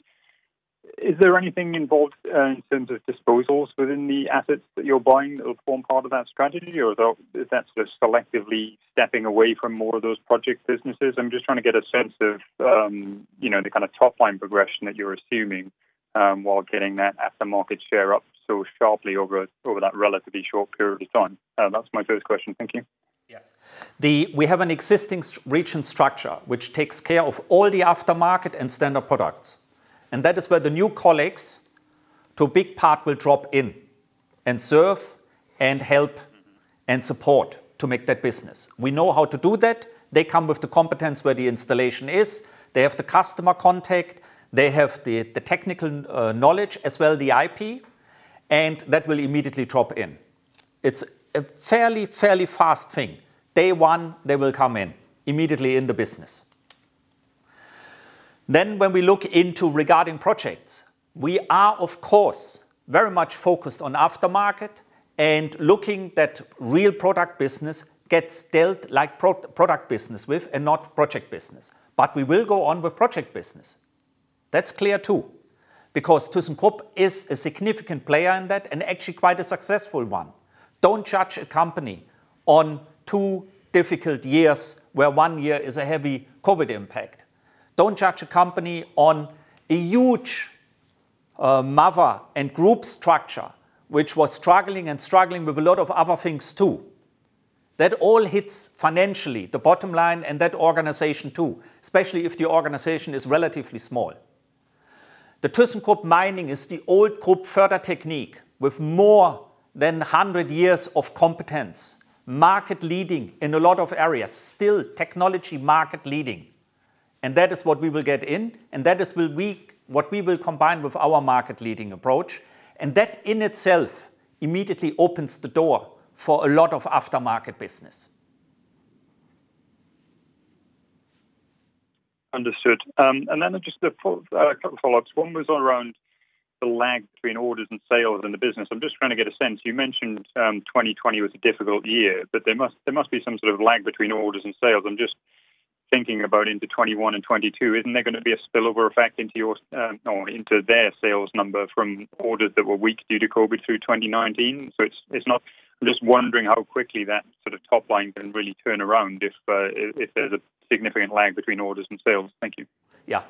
Is there anything involved in terms of disposals within the assets that you're buying that will form part of that strategy, or is that sort of selectively stepping away from more of those project businesses? I'm just trying to get a sense of the kind of top-line progression that you're assuming, while getting that aftermarket share up so sharply over that relatively short period of time. That's my first question. Thank you. Yes. We have an existing region structure, which takes care of all the aftermarket and standard products. That is where the new colleagues, to a big part, will drop in and serve and help and support to make that business. We know how to do that. They come with the competence where the installation is. They have the customer contact. They have the technical knowledge as well, the IP, and that will immediately drop in. It's a fairly fast thing. Day one, they will come in immediately in the business. When we look into regarding projects, we are, of course, very much focused on aftermarket and looking that real product business gets dealt like product business with, and not project business. We will go on with project business. That's clear, too, because Thyssenkrupp is a significant player in that and actually quite a successful one. Don't judge a company on two difficult years where one year is a heavy COVID impact. Don't judge a company on a huge mother and group structure, which was struggling and struggling with a lot of other things, too. That all hits financially, the bottom line and that organization too, especially if the organization is relatively small. The Thyssenkrupp Mining is the old Krupp Fördertechnik, with more than 100 years of competence, market leading in a lot of areas. Still technology market leading. That is what we will get in, and that is what we will combine with our market leading approach. That in itself immediately opens the door for a lot of aftermarket business. Understood. Just a couple of follow-ups. One was around the lag between orders and sales in the business. I am just trying to get a sense. You mentioned 2020 was a difficult year, there must be some sort of lag between orders and sales. I am just thinking about into 2021 and 2022. Isn't there going to be a spillover effect into their sales number from orders that were weak due to COVID through 2019? I am just wondering how quickly that sort of top line can really turn around if there's a significant lag between orders and sales. Thank you. Yeah.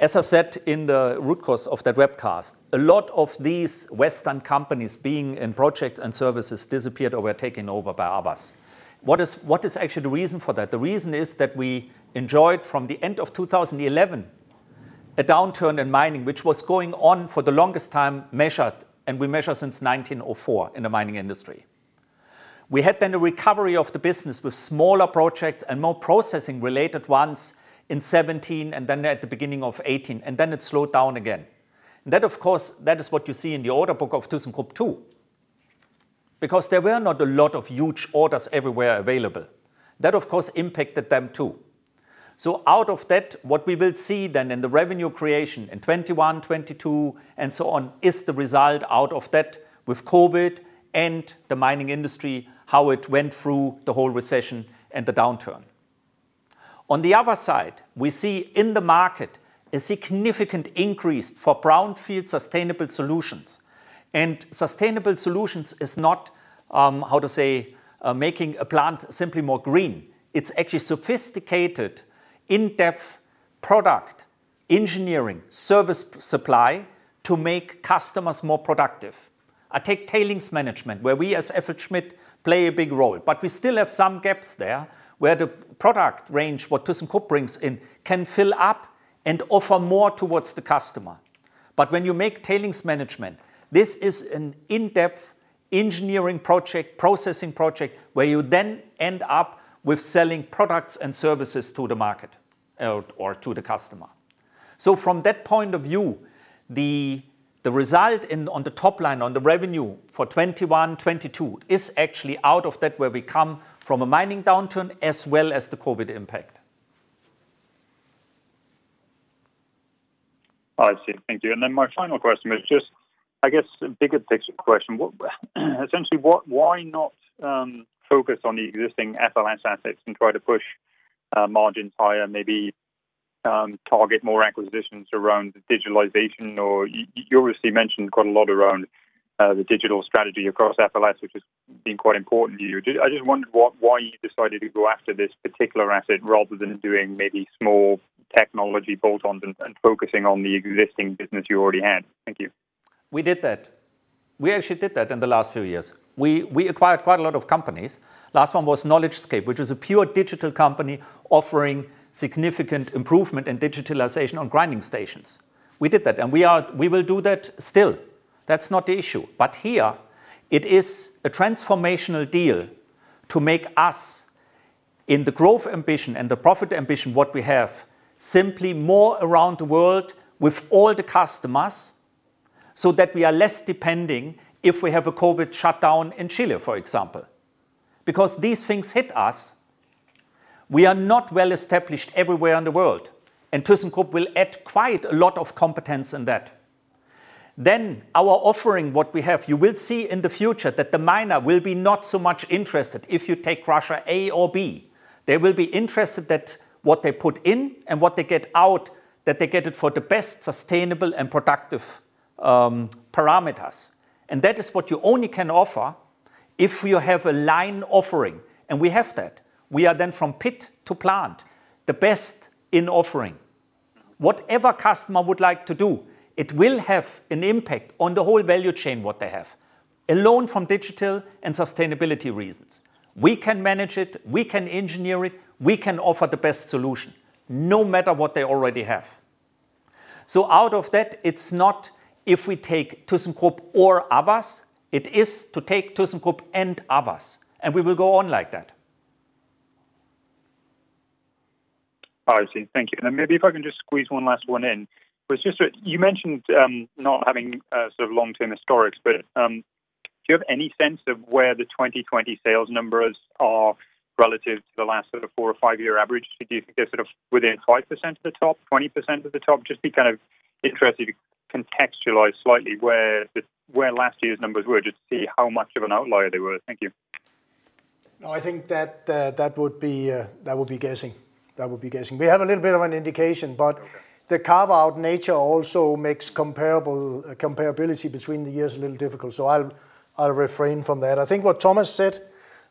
As I said in the root course of that webcast, a lot of these Western companies being in project and services disappeared or were taken over by others. What is actually the reason for that? The reason is that we enjoyed from the end of 2011, a downturn in mining, which was going on for the longest time measured, and we measure since 1904 in the mining industry. We had then a recovery of the business with smaller projects and more processing-related ones in 2017 and then at the beginning of 2018, and then it slowed down again. That, of course, that is what you see in the order book of Thyssenkrupp, too. Because there were not a lot of huge orders everywhere available. That, of course, impacted them too. Out of that, what we will see then in the revenue creation in 2021, 2022, and so on is the result out of that with COVID and the mining industry, how it went through the whole recession and the downturn. On the other side, we see in the market a significant increase for brownfield sustainable solutions. Sustainable solutions is not, how to say, making a plant simply more green. It's actually sophisticated in-depth product engineering, service supply to make customers more productive. I take tailings management where we as FLSmidth play a big role, but we still have some gaps there where the product range, what Thyssenkrupp brings in, can fill up and offer more towards the customer. When you make tailings management, this is an in-depth engineering project, processing project where you then end up with selling products and services to the market or to the customer. From that point of view, the result on the top line, on the revenue for 2021, 2022 is actually out of that where we come from a mining downturn as well as the COVID impact. Oh, I see. Thank you. Then my final question was just, I guess a bigger picture question. Essentially, why not focus on the existing FLSmidth assets and try to push margins higher, maybe target more acquisitions around digitalization. You obviously mentioned quite a lot around the digital strategy across FLS, which has been quite important to you. I just wondered why you decided to go after this particular asset rather than doing maybe small technology bolt-ons and focusing on the existing business you already had. Thank you. We did that. We actually did that in the last few years. We acquired quite a lot of companies. Last one was KnowledgeScape, which is a pure digital company offering significant improvement in digitalization on grinding stations. We did that, and we will do that still. That's not the issue. Here, it is a transformational deal to make us, in the growth ambition and the profit ambition, what we have simply more around the world with all the customers, so that we are less depending if we have a COVID shutdown in Chile, for example. These things hit us. We are not well-established everywhere in the world, and Thyssenkrupp will add quite a lot of competence in that. Our offering, what we have, you will see in the future that the miner will be not so much interested if you take crusher A or B. They will be interested that what they put in and what they get out, that they get it for the best sustainable and productive parameters. That is what you only can offer if you have a line offering, and we have that. We are from pit to plant, the best in offering. Whatever customer would like to do, it will have an impact on the whole value chain, what they have. Alone from digital and sustainability reasons. We can manage it, we can engineer it, we can offer the best solution, no matter what they already have. Out of that, it's not if we take Thyssenkrupp or others, it is to take Thyssenkrupp and others, and we will go on like that. Oh, I see. Thank you. Then maybe if I can just squeeze one last one in. You mentioned not having long-term historics, but do you have any sense of where the 2020 sales numbers are relative to the last four or five-year average? Do you think they're within 5% of the top, 20% of the top? Just be kind of interested to contextualize slightly where last year's numbers were, just to see how much of an outlier they were. Thank you. No, I think that would be guessing. We have a little bit of an indication, but the carve-out nature also makes comparability between the years a little difficult, so I'll refrain from that. I think what Thomas said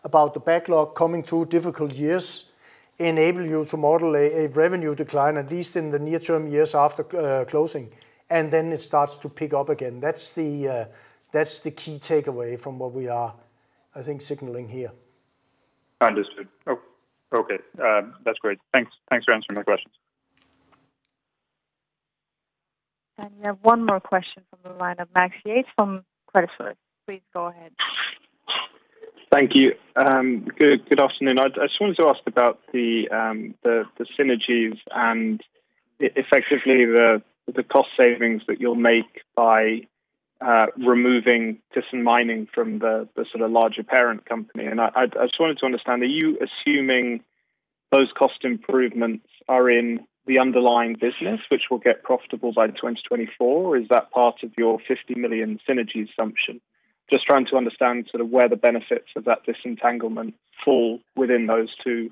about the backlog coming through difficult years enable you to model a revenue decline, at least in the near-term years after closing, and then it starts to pick up again. That's the key takeaway from what we are, I think, signaling here. Understood. Okay. That's great. Thanks for answering my questions. We have one more question from the line of Max Yates from Credit Suisse. Please go ahead. Thank you. Good afternoon. I just wanted to ask about the synergies and effectively the cost savings that you'll make by removing Thyssen Mining from the larger parent company. I just wanted to understand, are you assuming those cost improvements are in the underlying business, which will get profitable by 2024, or is that part of your 50 million synergy assumption? Just trying to understand where the benefits of that disentanglement fall within those two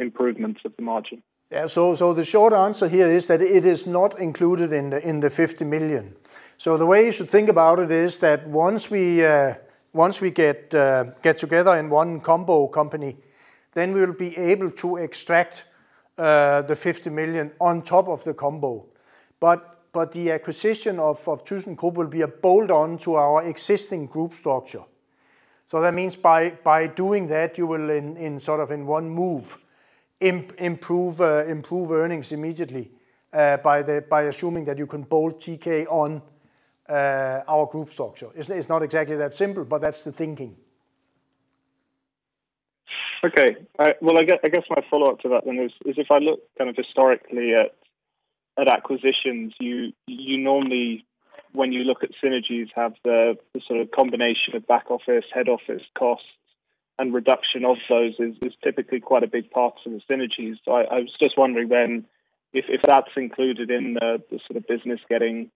improvements of the margin. Yeah. The short answer here is that it is not included in the 50 million. The way you should think about it is that once we get together in one combo company, then we'll be able to extract the 50 million on top of the combo. The acquisition of Thyssenkrupp will be a bolt-on to our existing group structure. That means by doing that, you will in one move, improve earnings immediately by assuming that you can bolt TK on our group structure. It's not exactly that simple, but that's the thinking. Okay. Well, I guess my follow-up to that then is if I look historically at acquisitions, you normally, when you look at synergies, have the combination of back office, head office costs, and reduction of those is typically quite a big part of the synergies. I was just wondering then if that's included in the business getting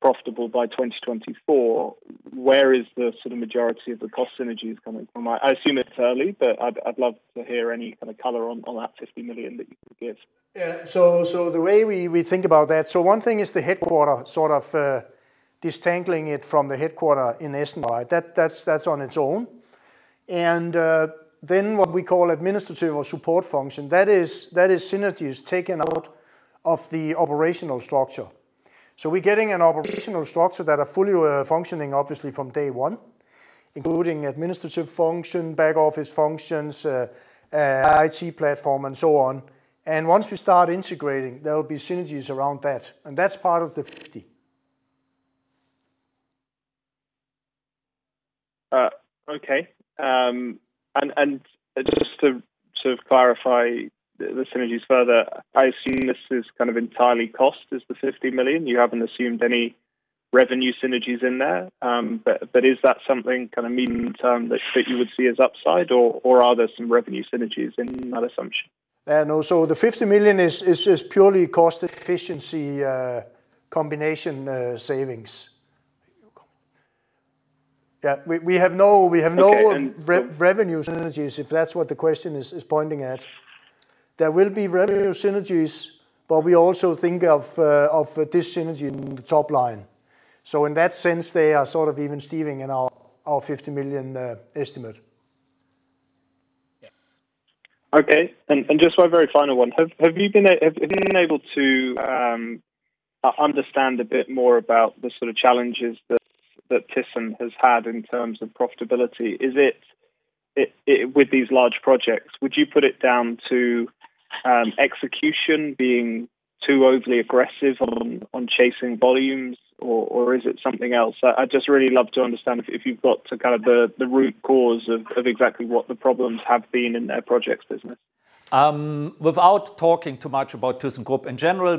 profitable by 2024, where is the majority of the cost synergies coming from? I assume it's early, but I'd love to hear any kind of color on that 50 million that you could give. Yeah. The way we think about that, so one thing is the headquarter, sort of detangling it from the headquarter in FLSmidth. That's on its own. What we call administrative or support function, that is synergies taken out of the operational structure. We're getting an operational structure that are fully functioning, obviously from day one, including administrative function, back office functions, IT platform, and so on. Once we start integrating, there will be synergies around that, and that's part of the 50 million. Okay. Just to clarify the synergies further, I assume this is entirely cost, is the 50 million. You haven't assumed any revenue synergies in there? Is that something medium term that you would see as upside, or are there some revenue synergies in that assumption? No. The 50 million is just purely cost efficiency combination savings. We have no revenue synergies, if that's what the question is pointing at. There will be revenue synergies, but we also think of this synergy in the top line. In that sense, they are sort of even-steven in our 50 million estimate. Yes. Okay. Just one very final one. Have you been able to understand a bit more about the sort of challenges that Thyssen has had in terms of profitability? With these large projects, would you put it down to execution being too overly aggressive on chasing volumes, or is it something else? I'd just really love to understand if you've got the root cause of exactly what the problems have been in their projects business. Without talking too much about Thyssenkrupp in general,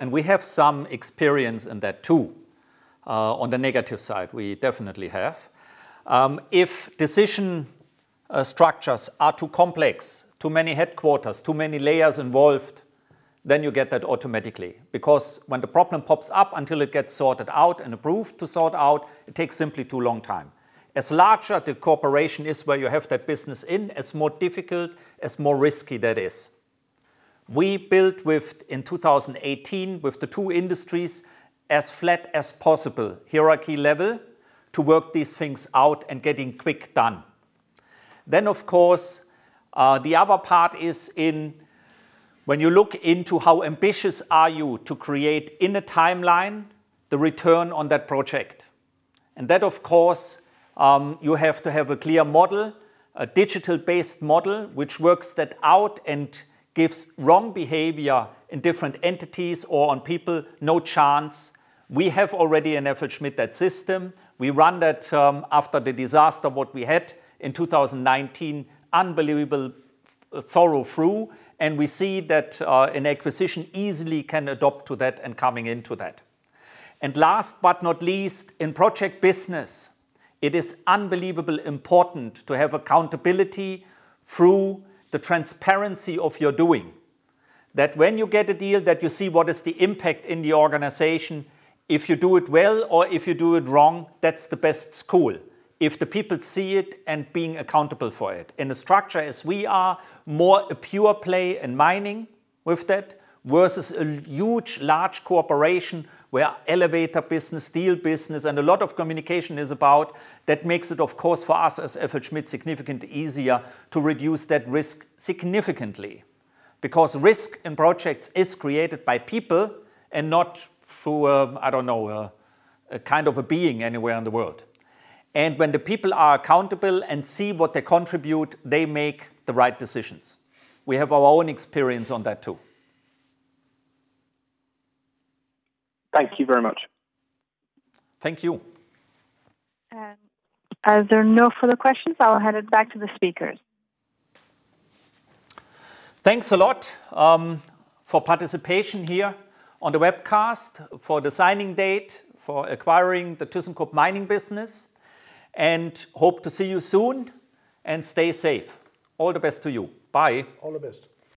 and we have some experience in that, too, on the negative side, we definitely have. If decision structures are too complex, too many headquarters, too many layers involved, then you get that automatically, because when the problem pops up, until it gets sorted out and approved to sort out, it takes simply too long time. As larger the corporation is where you have that business in, as more difficult, as more risky that is. We built in 2018 with the two industries as flat as possible hierarchy level to work these things out and getting quick done. Of course, the other part is in when you look into how ambitious are you to create in a timeline, the return on that project. That, of course, you have to have a clear model, a digital-based model, which works that out and gives wrong behavior in different entities or on people, no chance. We have already in FLSmidth that system. We run that after the disaster what we had in 2019, unbelievable thorough through, and we see that an acquisition easily can adopt to that and coming into that. Last but not least, in project business, it is unbelievably important to have accountability through the transparency of your doing. That when you get a deal that you see what is the impact in the organization. If you do it well or if you do it wrong, that's the best school if the people see it and being accountable for it. In a structure as we are, more a pure play in mining with that, versus a huge, large corporation where elevator business, steel business, and a lot of communication is about, that makes it, of course, for us as FLSmidth significantly easier to reduce that risk significantly. Risk in projects is created by people and not through a kind of a being anywhere in the world. When the people are accountable and see what they contribute, they make the right decisions. We have our own experience on that, too. Thank you very much. Thank you. As there are no further questions, I'll hand it back to the speakers. Thanks a lot for participation here on the webcast, for the signing date, for acquiring the Thyssenkrupp Mining business. Hope to see you soon. Stay safe. All the best to you. Bye. All the best.